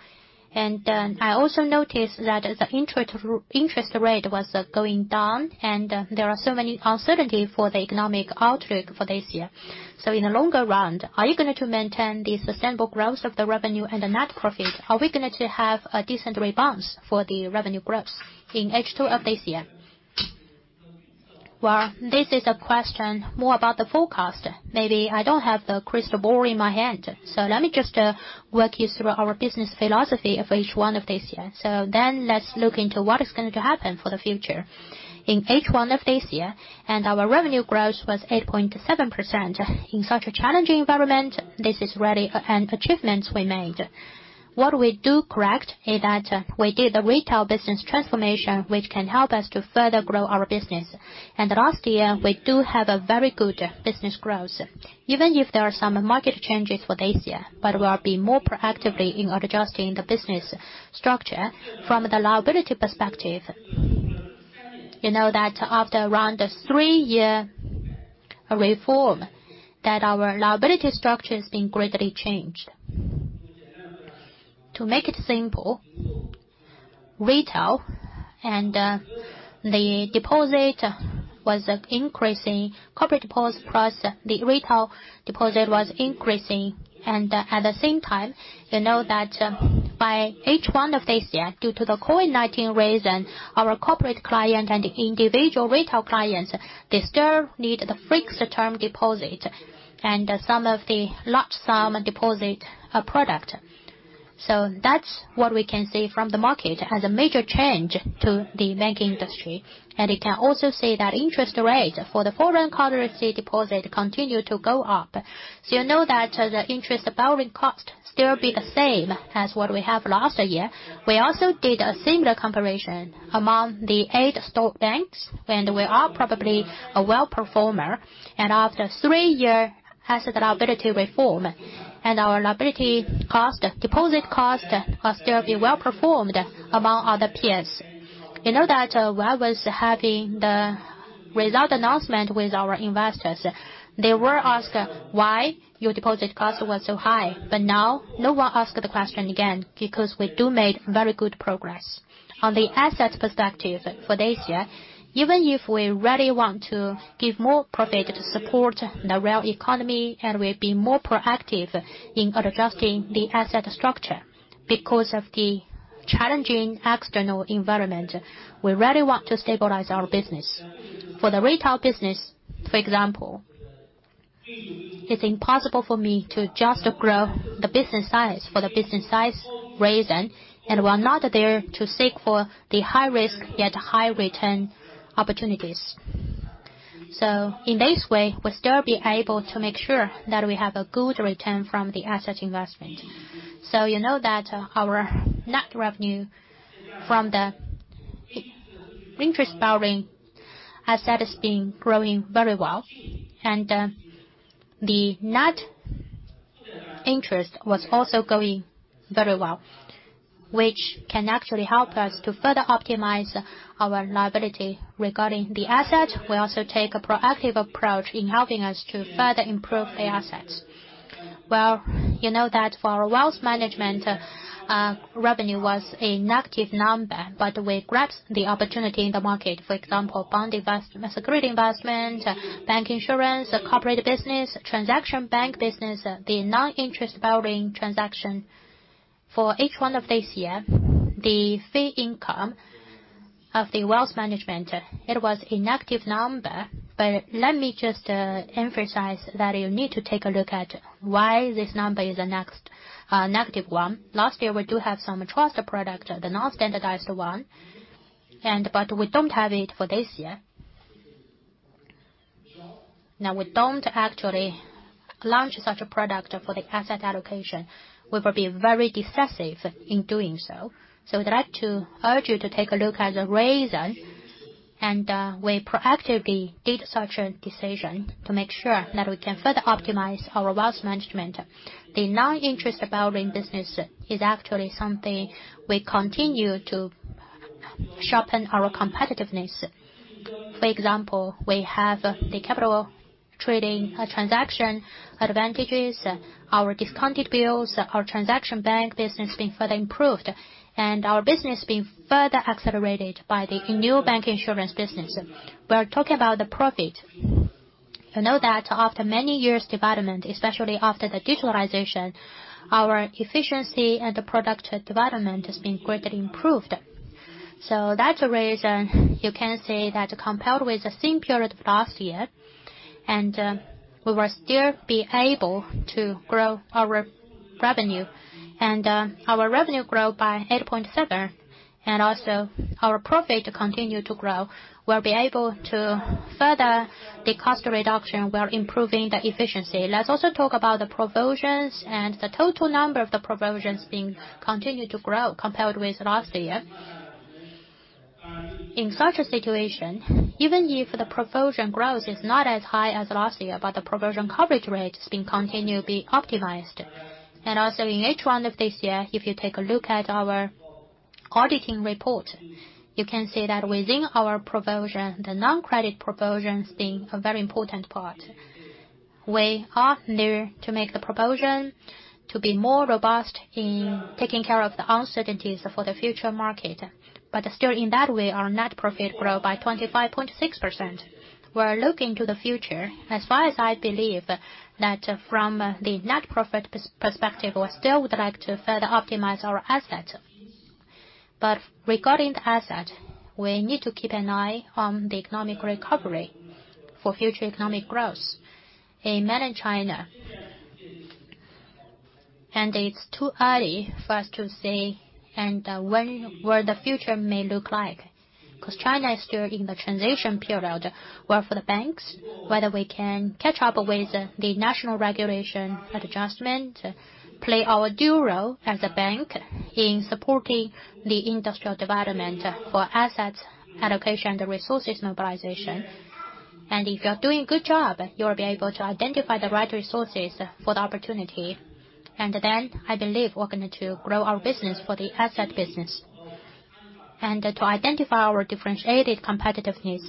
[SPEAKER 9] I also noticed that the net interest rate was going down and there are so many uncertainties for the economic outlook for this year. In the longer run, are you going to maintain this sustainable growth of the revenue and the net profit? Are we going to have a decent rebound for the revenue growth in H2 of this year?
[SPEAKER 2] Well, this is a question more about the forecast. Maybe I don't have the crystal ball in my hand. Let me just walk you through our business philosophy of H1 of this year. Let's look into what is going to happen for the future. In H1 of this year, our revenue growth was 8.7%. In such a challenging environment, this is really an achievement we made. What we do correct is that we did the retail business transformation, which can help us to further grow our business. Last year, we do have a very good business growth. Even if there are some market changes for this year but we'll be more proactively in adjusting the business structure from the liability perspective. You know that after around a three-year reform, that our liability structure has been greatly changed. To make it simple, retail and the deposit was increasing. Corporate deposit plus the retail deposit was increasing. At the same time, you know that by H1 of this year, due to the COVID-19 reason, our corporate client and individual retail clients, they still need the fixed term deposit and some of the lump sum deposit product. That's what we can see from the market as a major change to the banking industry. It can also say that interest rate for the foreign currency deposit continue to go up. You know that the interest borrowing cost still be the same as what we have last year. We also did a similar comparison among the eight stock banks and we are probably a well performer. After three-year asset liability reform and our liability cost, deposit cost are still be well-performed among other peers. You know that when I was having the result announcement with our investors, they were ask, "Why your deposit cost was so high?" Now no one ask the question again, because we do made very good progress. On the asset perspective for this year, even if we really want to give more profit support in the real economy and we're being more proactive in adjusting the asset structure because of the challenging external environment, we really want to stabilize our business. For the retail business, for example, it's impossible for me to just grow the business size for the business size reason and we're not there to seek for the high risk yet high return opportunities. In this way, we'll still be able to make sure that we have a good return from the asset investment. You know that our net revenue from the interest borrowing asset is being growing very well. The net interest was also growing very well, which can actually help us to further optimize our liability. Regarding the asset, we also take a proactive approach in helping us to further improve the assets. Well, you know that for wealth management, revenue was a negative number but we grabbed the opportunity in the market. For example, security investment, bank insurance, corporate business, transaction bank business, the non-interest bearing transaction. For H1 of this year, the fee income of the wealth management, it was a negative number but let me just emphasize that you need to take a look at why this number is a negative one. Last year, we do have some trust product, the non-standardized one but we don't have it for this year. Now we don't actually launch such a product for the asset allocation. We will be very decisive in doing so. I'd like to urge you to take a look at the reason and we proactively did such a decision to make sure that we can further optimize our wealth management. The non-interest borrowing business is actually something we continue to sharpen our competitiveness. For example, we have the capital trading transaction advantages, our discounted bills, our transaction bank business being further improved and our business being further accelerated by the new bank insurance business. We're talking about the profit. You know that after many years' development, especially after the digitalization, our efficiency and the product development has been greatly improved. That's the reason you can say that compared with the same period of last year and we will still be able to grow our revenue. Our revenue grow by 8.7% and also our profit continue to grow. We'll be able to further the cost reduction. We're improving the efficiency. Let's also talk about the provisions and the total number of the provisions being continued to grow compared with last year. In such a situation, even if the provision growth is not as high as last year but the provision coverage rate is being continually optimized. Also in H1 of this year, if you take a look at our audit report. You can see that within our provision, the non-credit provision is being a very important part. We are there to make the provision to be more robust in taking care of the uncertainties for the future market. Still in that way, our net profit grow by 25.6%. We are looking to the future. As far as I believe that from the net profit perspective, we still would like to further optimize our asset. Regarding the asset, we need to keep an eye on the economic recovery for future economic growth in mainland China. It's too early for us to say what the future may look like, 'cause China is still in the transition period, where for the banks, whether we can catch up with the national regulation adjustment, play our due role as a bank in supporting the industrial development for asset allocation and resources mobilization. If you are doing a good job, you will be able to identify the right resources for the opportunity. I believe we're going to grow our business for the asset business. To identify our differentiated competitiveness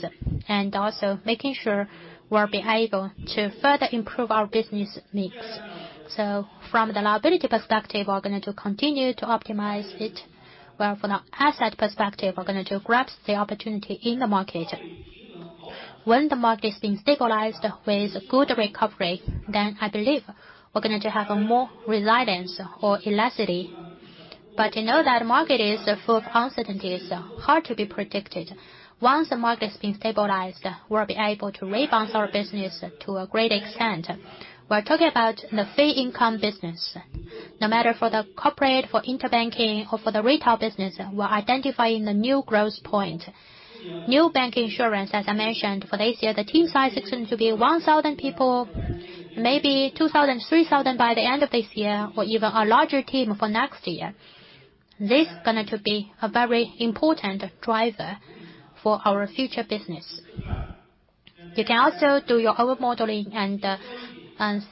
[SPEAKER 2] and also making sure we'll be able to further improve our business mix. From the liability perspective, we're going to continue to optimize it, where from the asset perspective, we're going to grab the opportunity in the market. When the market is being stabilized with good recovery, then I believe we're going to have a more resilience or elasticity. You know that market is full of uncertainties, hard to be predicted. Once the market is being stabilized, we'll be able to rebound our business to a great extent. We're talking about the fee income business. No matter for the corporate, for interbank or for the retail business, we're identifying the new growth point. New bank insurance, as I mentioned, for this year, the team size is going to be 1,000 people, maybe 2,000, 3,000 by the end of this year or even a larger team for next year. This is going to be a very important driver for our future business. You can also do your own modeling and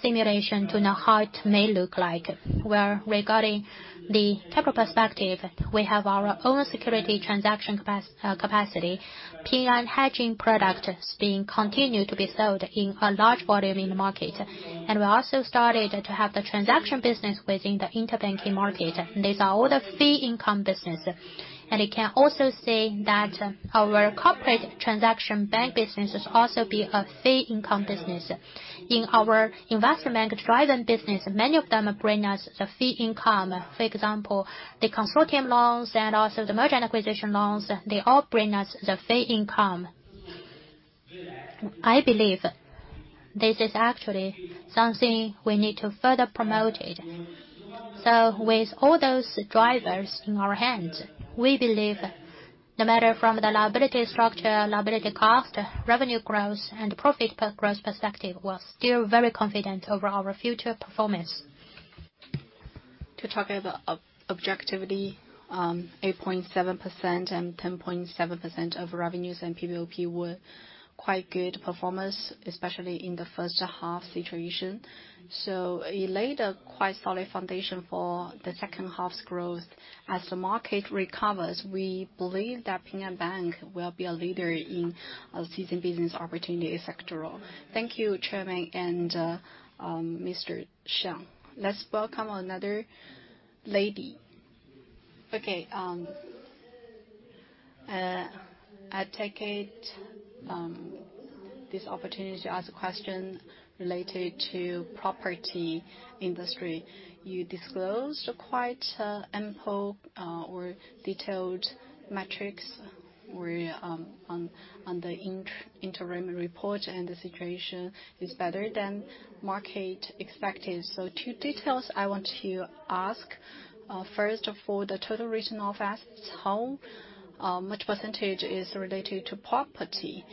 [SPEAKER 2] simulation to know how it may look like. With regard to the technical perspective, we have our own securities transaction capacity. Ping An Hedging product is being continued to be sold in a large volume in the market. We also started to have the transaction business within the interbank market. These are all the fee income business. You can also see that our corporate transaction bank business is also a fee income business. In our investment bank-driven business, many of them bring us the fee income. For example, the consortium loans and also the merger and acquisition loans, they all bring us the fee income. I believe this is actually something we need to further promote. With all those drivers in our hands, we believe no matter from the liability structure, liability cost, revenue growth and profit growth perspective, we're still very confident over our future performance.
[SPEAKER 3] To talk about objectively, 8.7% and 10.7% of revenues and PPOP were quite good performance, especially in the first half situation. It laid a quite solid foundation for the second half's growth. As the market recovers, we believe that Ping An Bank will be a leader in seizing business opportunities sectorally.
[SPEAKER 1] Thank you, Chairman and Mr. Xiang. Let's welcome another lady.
[SPEAKER 10] Okay. I take this opportunity to ask a question related to property industry. You disclosed quite ample or detailed metrics on the interim report and the situation is better than market expected. Two details I want to ask. First, for the total regional assets, how much percentage is related to property?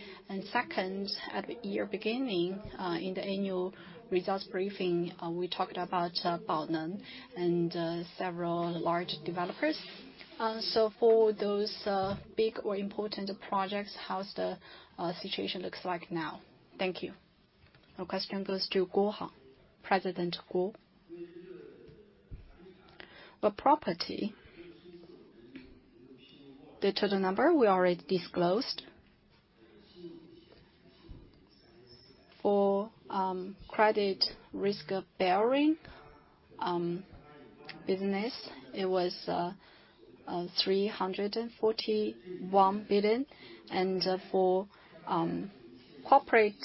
[SPEAKER 10] Second, at the year beginning, in the annual results briefing, we talked about Baoneng and several large developers. For those big or important projects, how's the situation looks like now? Thank you.
[SPEAKER 1] The question goes to Guo Shibang, Vice President Guo.
[SPEAKER 11] The total number we already disclosed. For credit risk bearing business, it was 341 billion. For corporate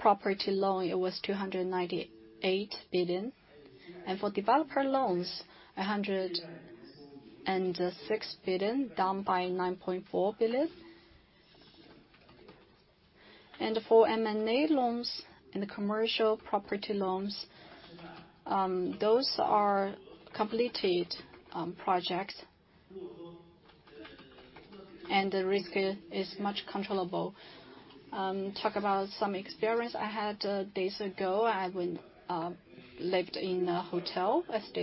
[SPEAKER 11] property loan, it was 298 billion. For developer loans, 106 billion, down by 9.4 billion. For M&A loans and commercial property loans, those are completed projects and the risk is much controllable. Talk about some experience I had days ago. I stayed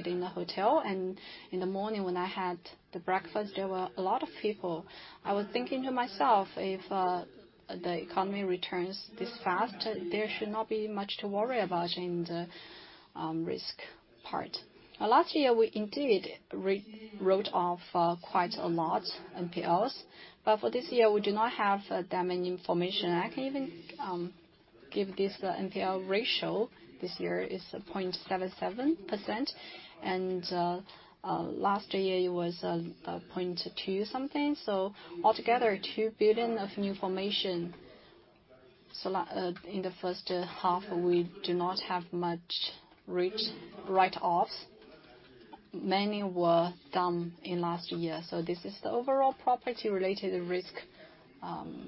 [SPEAKER 11] in a hotel and in the morning when I had the breakfast, there were a lot of people. I was thinking to myself, if the economy returns this fast, there should not be much to worry about in the risk part. Last year, we indeed wrote off quite a lot NPLs but for this year, we do not have that many information. I can even give this NPL ratio this year is 0.77% and last year it was 0.2-something%. Altogether, CNY 2 billion of new formation. In the first half, we do not have much write-offs. Many were done in last year. This is the overall property-related risk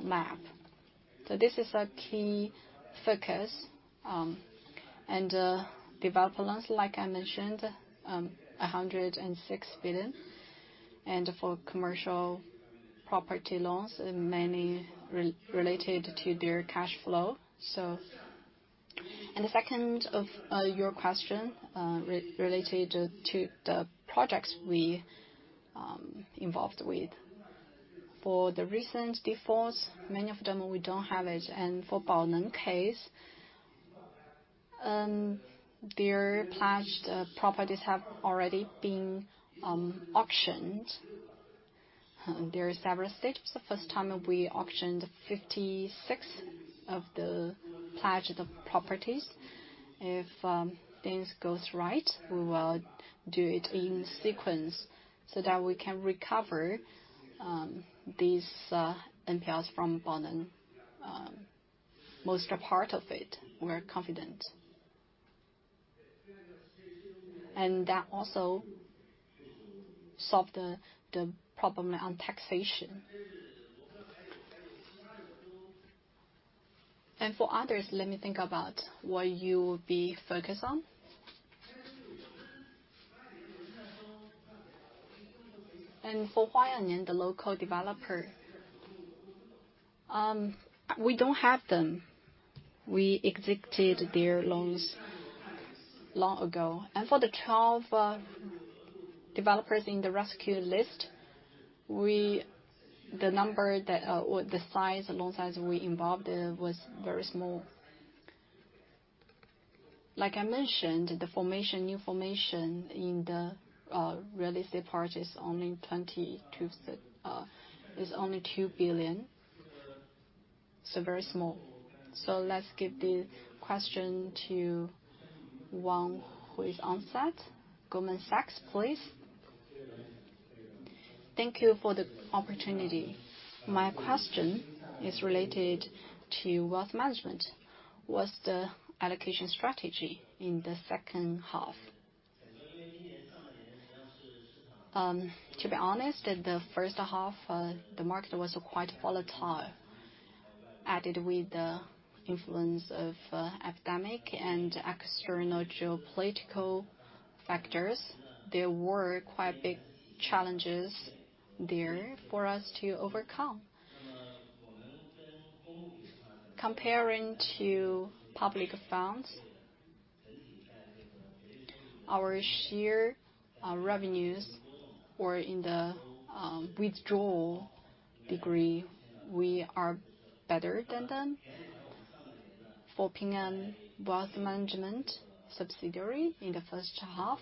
[SPEAKER 11] map. This is a key focus and developer loans, like I mentioned, 106 billion and for commercial property loans, many related to their cash flow. The second of your question related to the projects we involved with. For the recent defaults, many of them, we don't have it. For Baoneng case, their pledged properties have already been auctioned. There are several stages. The first time we auctioned 56 of the pledged properties. If things goes right, we will do it in sequence so that we can recover these NPLs from Baoneng. Most part of it, we're confident. That also solve the problem on taxation. For others, let me think about what you'll be focused on. For Huayuan, the local developer, we don't have them. We executed their loans long ago. For the 12 developers in the rescued list, the loan size we involved in was very small. Like I mentioned, the new formation in the real estate part is only 2 billion, so very small.
[SPEAKER 1] Let's give the question to one who is on-site. Goldman Sachs, please.
[SPEAKER 12] Thank you for the opportunity. My question is related to wealth management. What's the allocation strategy in the second half?
[SPEAKER 2] To be honest, in the first half, the market was quite volatile. Added with the influence of economic and external geopolitical factors, there were quite big challenges there for us to overcome. Comparing to public funds, our share, our revenues or in the withdrawal degree, we are better than them. For Ping An Wealth Management subsidiary in the first half,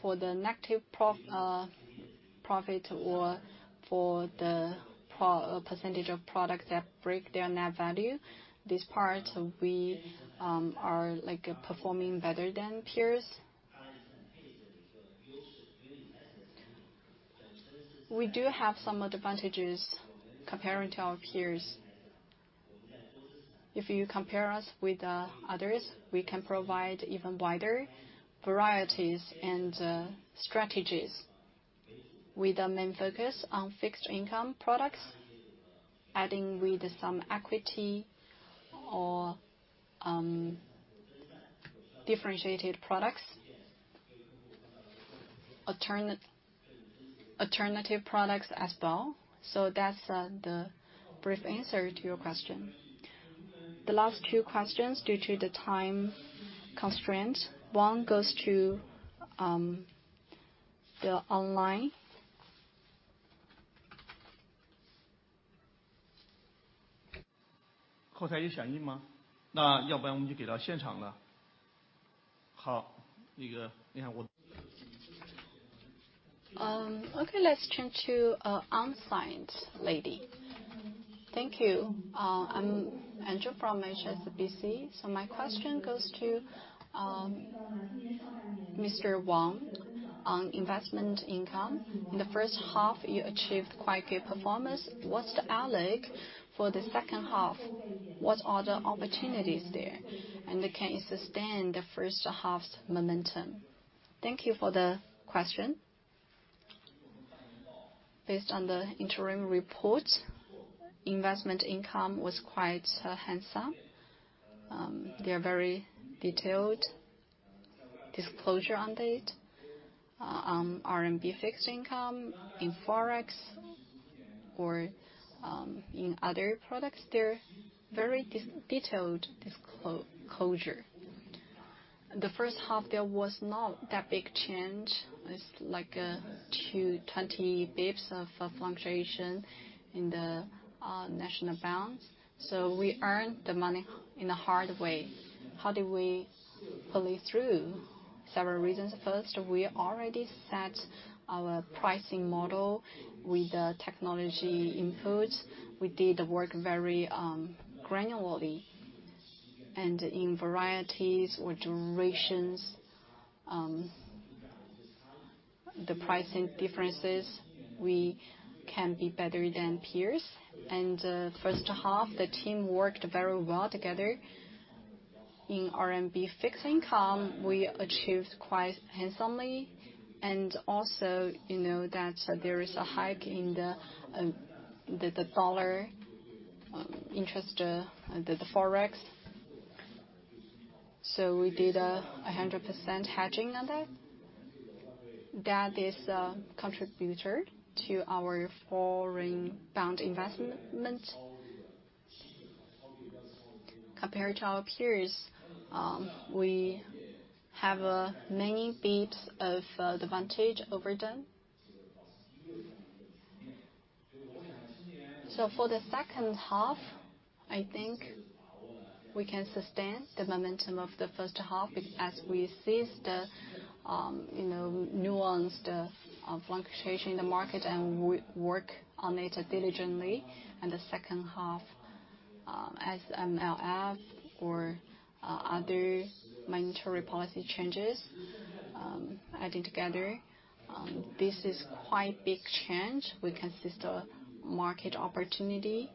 [SPEAKER 2] for the negative profit or for the percentage of products that break their net value, this part, we are, like, performing better than peers. We do have some advantages comparing to our peers. If you compare us with the others, we can provide even wider varieties and strategies with a main focus on fixed income products, adding with some equity or differentiated products, alternative products as well. That's the brief answer to your question.
[SPEAKER 1] The last two questions, due to the time constraint, one goes to the online. Okay, let's turn to on-site lady.
[SPEAKER 13] Thank you. I'm Andrew from HSBC. My question goes to Mr. Wang on investment income. In the first half, you achieved quite good performance. What's the outlook for the second half? What are the opportunities there? And can you sustain the first half's momentum?
[SPEAKER 14] Thank you for the question. Based on the interim report, investment income was quite handsome. There's very detailed disclosure on it. RMB fixed income in Forex or in other products, they're very detailed disclosure. The first half, there was not that big change. It's like 220 basis points of fluctuation in the national banks. We earned the money in a hard way. How did we pull it through? Several reasons. First, we already set our pricing model with the technology input. We did the work very granularly. In varieties or durations, the pricing differences, we can be better than peers. First half, the team worked very well together. In RMB fixed income, we achieved quite handsomely. You know that there is a hike in the dollar interest, the Forex. We did 100% hedging on that. That is contributor to our foreign bond investment. Compared to our peers, we have many basis points of advantage over them. For the second half, I think we can sustain the momentum of the first half as we seize the, you know, nuances of fluctuation in the market and work on it diligently. The second half, as MLF or other monetary policy changes adding together, this is quite big change. We can seize the market opportunity.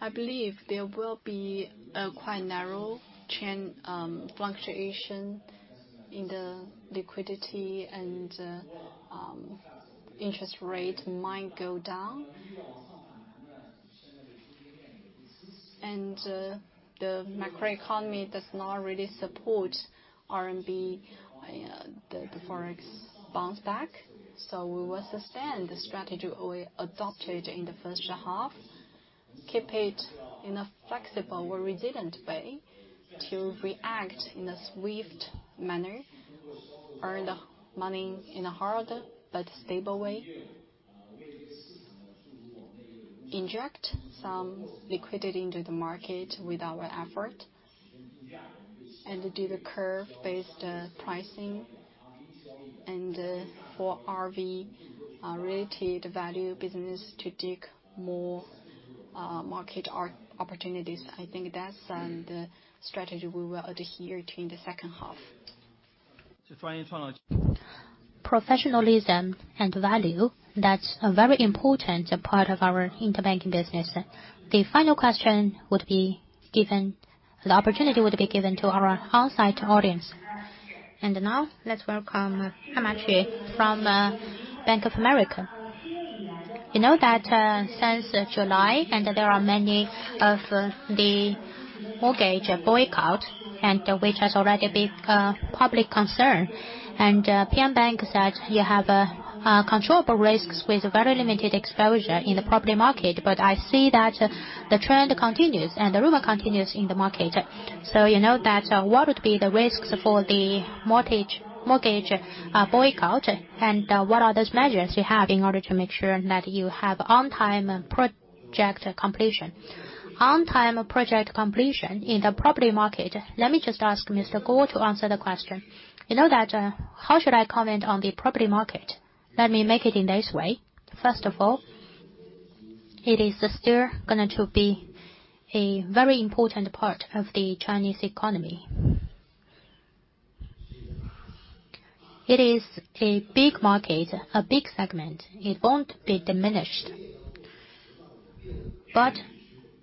[SPEAKER 14] I believe there will be a quite narrow trend fluctuation in the liquidity and interest rate might go down. The macroeconomy does not really support RMB and the Forex bounce back. We will sustain the strategy we adopted in the first half, keep it in a flexible or resilient way to react in a swift manner, earn the money in a hard but stable way. Inject some liquidity into the market with our effort and do the curve-based pricing. For relative value business to dig more market opportunities. I think that's the strategy we will adhere to in the second half. Professionalism and value, that's a very important part of our interbank business.
[SPEAKER 1] The final question would be given. The opportunity would be given to our onsite audience. Now, let's welcome Michael Li from Bank of America.
[SPEAKER 15] You know that since July there have been many mortgage boycotts, which has already been public concern. Ping An Bank said you have controllable risks with very limited exposure in the property market. But I see that the trend continues and the rumor continues in the market. You know that what would be the risks for the mortgage boycott? What are those measures you have in order to make sure that you have on-time project completion? On-time project completion in the property market, let me just ask Mr. Guo to answer the question. You know that, how should I comment on the property market?
[SPEAKER 2] Let me make it in this way. First of all, it is still going to be a very important part of the Chinese economy. It is a big market, a big segment. It won't be diminished. But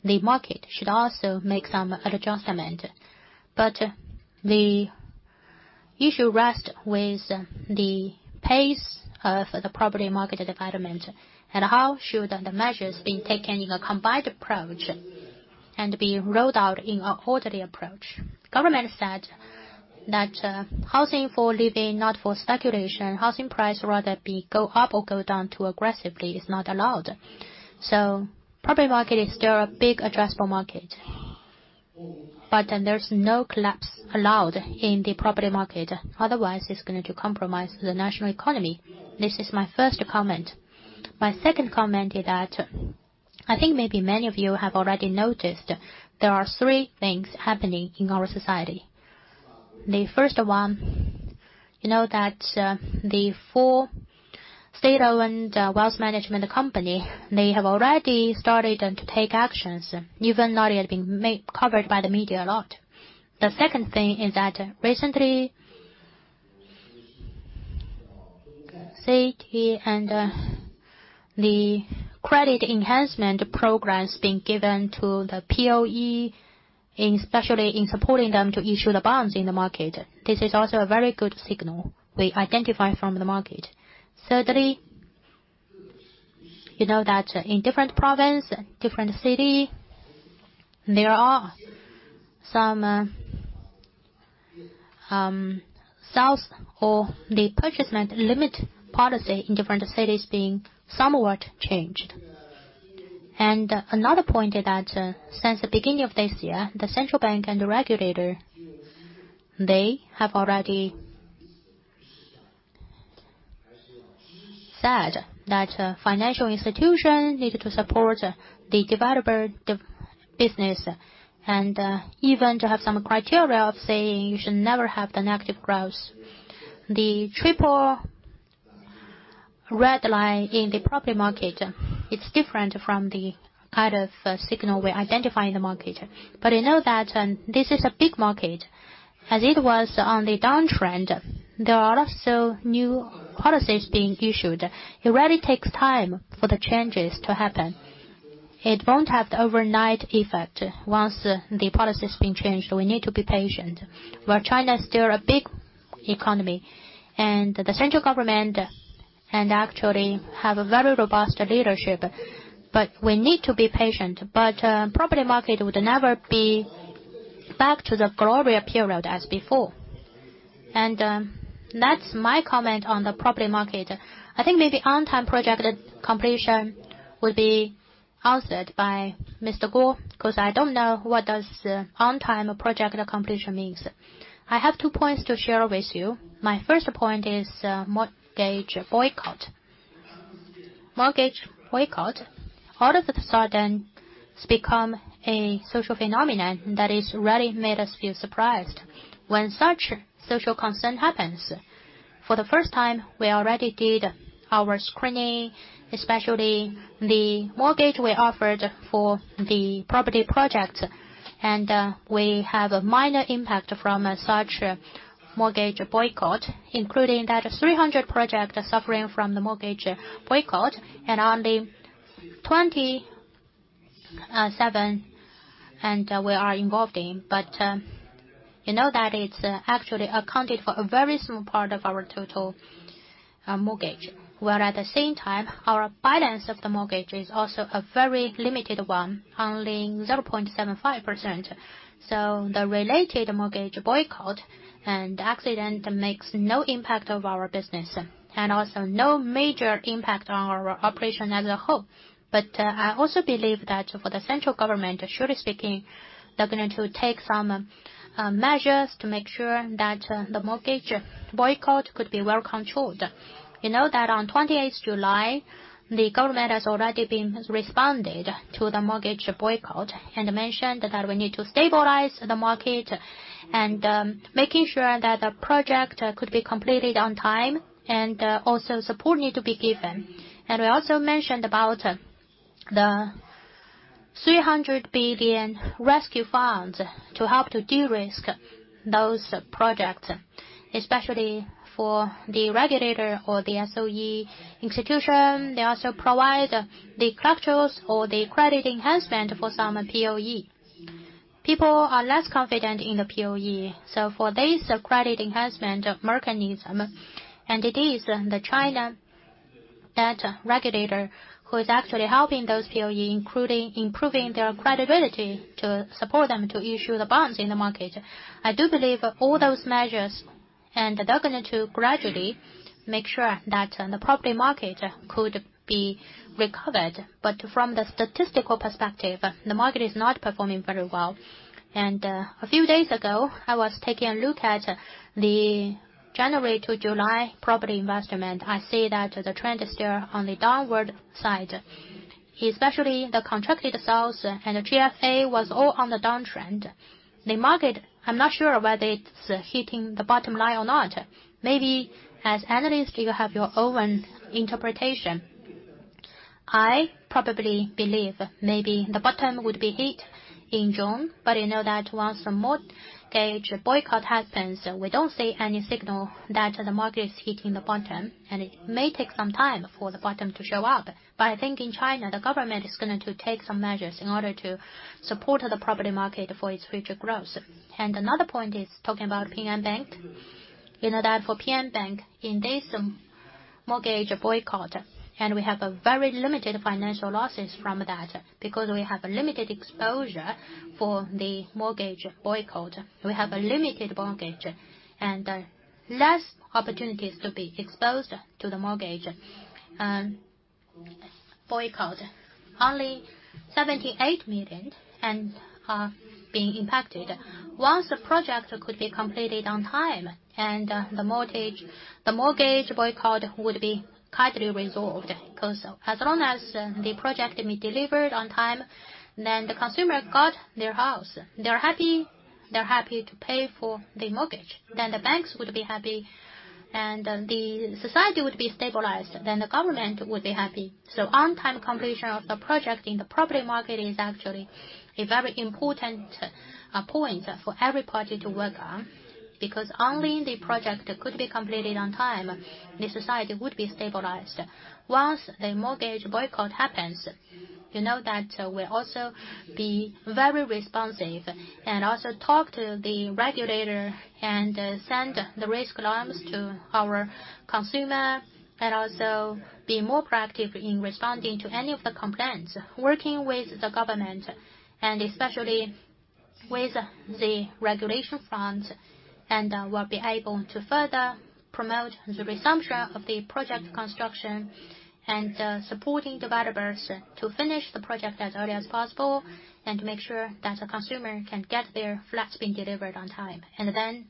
[SPEAKER 2] the market should also make some adjustment. But the issue rest with the pace of the property market development and how should the measures be taken in a combined approach and be rolled out in an orderly approach. Government said that, housing for living, not for speculation. Housing price rather be go up or go down too aggressively is not allowed. Property market is still a big addressable market. There's no collapse allowed in the property market, otherwise it's going to compromise the national economy. This is my first comment. My second comment is that, I think maybe many of you have already noticed there are three things happening in our society. The first one, you know that the four state-owned wealth management company, they have already started and to take actions, even not yet been covered by the media a lot. The second thing is that recently city and the credit enhancement programs being given to the POE, especially in supporting them to issue the bonds in the market. This is also a very good signal we identify from the market. Thirdly, you know that in different province, different city, there are some softening of the purchase limit policy in different cities being somewhat changed. Another point is that since the beginning of this year, the central bank and the regulator, they have already said that financial institutions needed to support the developer business. Even to have some criteria of saying you should never have the negative growth. The three red lines in the property market, it's different from the kind of signal we identify in the market. We know that this is a big market, as it was on the downtrend, there are also new policies being issued. It really takes time for the changes to happen. It won't have the overnight effect once the policy has been changed. We need to be patient. China is still a big economy and the central government and actually have a very robust leadership. We need to be patient. Property market would never be back to the glorious period as before. That's my comment on the property market. I think maybe on-time project completion will be answered by Mr. Guo, 'cause I don't know what does on-time project completion means.
[SPEAKER 11] I have two points to share with you. My first point is, mortgage boycott. Mortgage boycott, all of a sudden, it's become a social phenomenon that has really made us feel surprised. When such social concern happens, for the first time, we already did our screening, especially the mortgage we offered for the property project. We have a minor impact from such mortgage boycott, including that 300 projects are suffering from the mortgage boycott and only 27 and we are involved in. You know that it's actually accounted for a very small part of our total mortgage. Where at the same time, our balance of the mortgage is also a very limited one, only 0.75%. The related mortgage boycott and accident makes no impact of our business and also no major impact on our operation as a whole. I also believe that for the central government, surely speaking, they're going to take some measures to make sure that the mortgage boycott could be well controlled. You know that on 28 July, the government has already responded to the mortgage boycott and mentioned that we need to stabilize the market and making sure that the project could be completed on time and also support need to be given. We also mentioned about the 300 billion rescue funds to help to de-risk those projects, especially for the regulator or the SOE institution. They also provide the structures or the credit enhancement for some POE. People are less confident in the POE. For this credit enhancement mechanism, it is the China debt regulator who is actually helping those POE, including improving their credibility to support them to issue the bonds in the market. I do believe all those measures and they're going to gradually make sure that the property market could be recovered. From the statistical perspective, the market is not performing very well. A few days ago, I was taking a look at the January to July property investment. I see that the trend is still on the downward side, especially the contracted sales and GFA was all on the downtrend. The market, I'm not sure whether it's hitting the bottom line or not. Maybe as analysts, you have your own interpretation. I probably believe maybe the bottom would be hit in June but you know that once the mortgage boycott happens, we don't see any signal that the market is hitting the bottom and it may take some time for the bottom to show up. I think in China, the government is going to take some measures in order to support the property market for its future growth. Another point is talking about Ping An Bank. You know that for Ping An Bank in this mortgage boycott, we have a very limited financial losses from that because we have a limited exposure for the mortgage boycott. We have a limited mortgage and less opportunities to be exposed to the mortgage boycott. Only 78 million are being impacted. Once the project could be completed on time, the mortgage boycott would be kindly resolved. 'Cause as long as the project may delivered on time, then the consumer got their house, they're happy. They're happy to pay for the mortgage. Then the banks would be happy and the society would be stabilized, then the government would be happy. On time completion of the project in the property market is actually a very important point for every party to work on, because only the project could be completed on time, the society would be stabilized. Once the mortgage boycott happens, you know that we'll also be very responsive and also talk to the regulator and send the risk alarms to our consumer and also be more proactive in responding to any of the complaints, working with the government and especially with the regulation front. We'll be able to further promote the resumption of the project construction and supporting developers to finish the project as early as possible and make sure that the consumer can get their flats being delivered on time. Then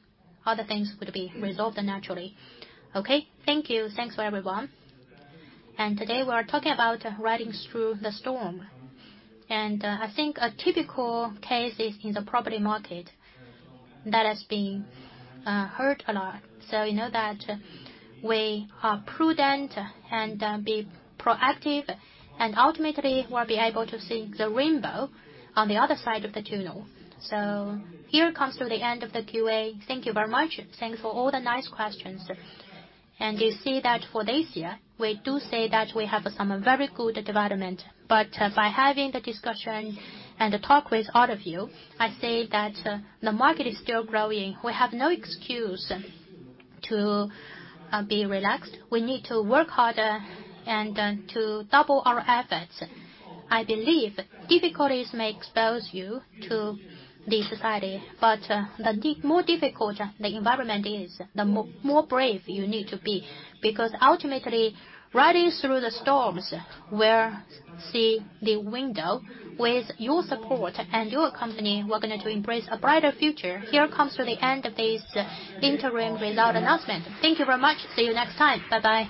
[SPEAKER 11] other things could be resolved naturally.
[SPEAKER 1] Okay. Thank you. Thanks for everyone. Today, we're talking about riding through the storm. I think a typical case is in the property market that has been hurt a lot. You know that we are prudent and be proactive and ultimately, we'll be able to see the rainbow on the other side of the tunnel. Here comes to the end of the QA. Thank you very much. Thanks for all the nice questions. You see that for this year, we do say that we have some very good development but by having the discussion and the talk with all of you, I say that the market is still growing. We have no excuse to be relaxed. We need to work harder and to double our efforts. I believe difficulties may expose you to the society but the more difficult the environment is, the more brave you need to be, because ultimately, riding through the storms, we'll see the window. With your support and your company, we're going to embrace a brighter future. Here comes to the end of this interim result announcement. Thank you very much. See you next time. Bye-bye.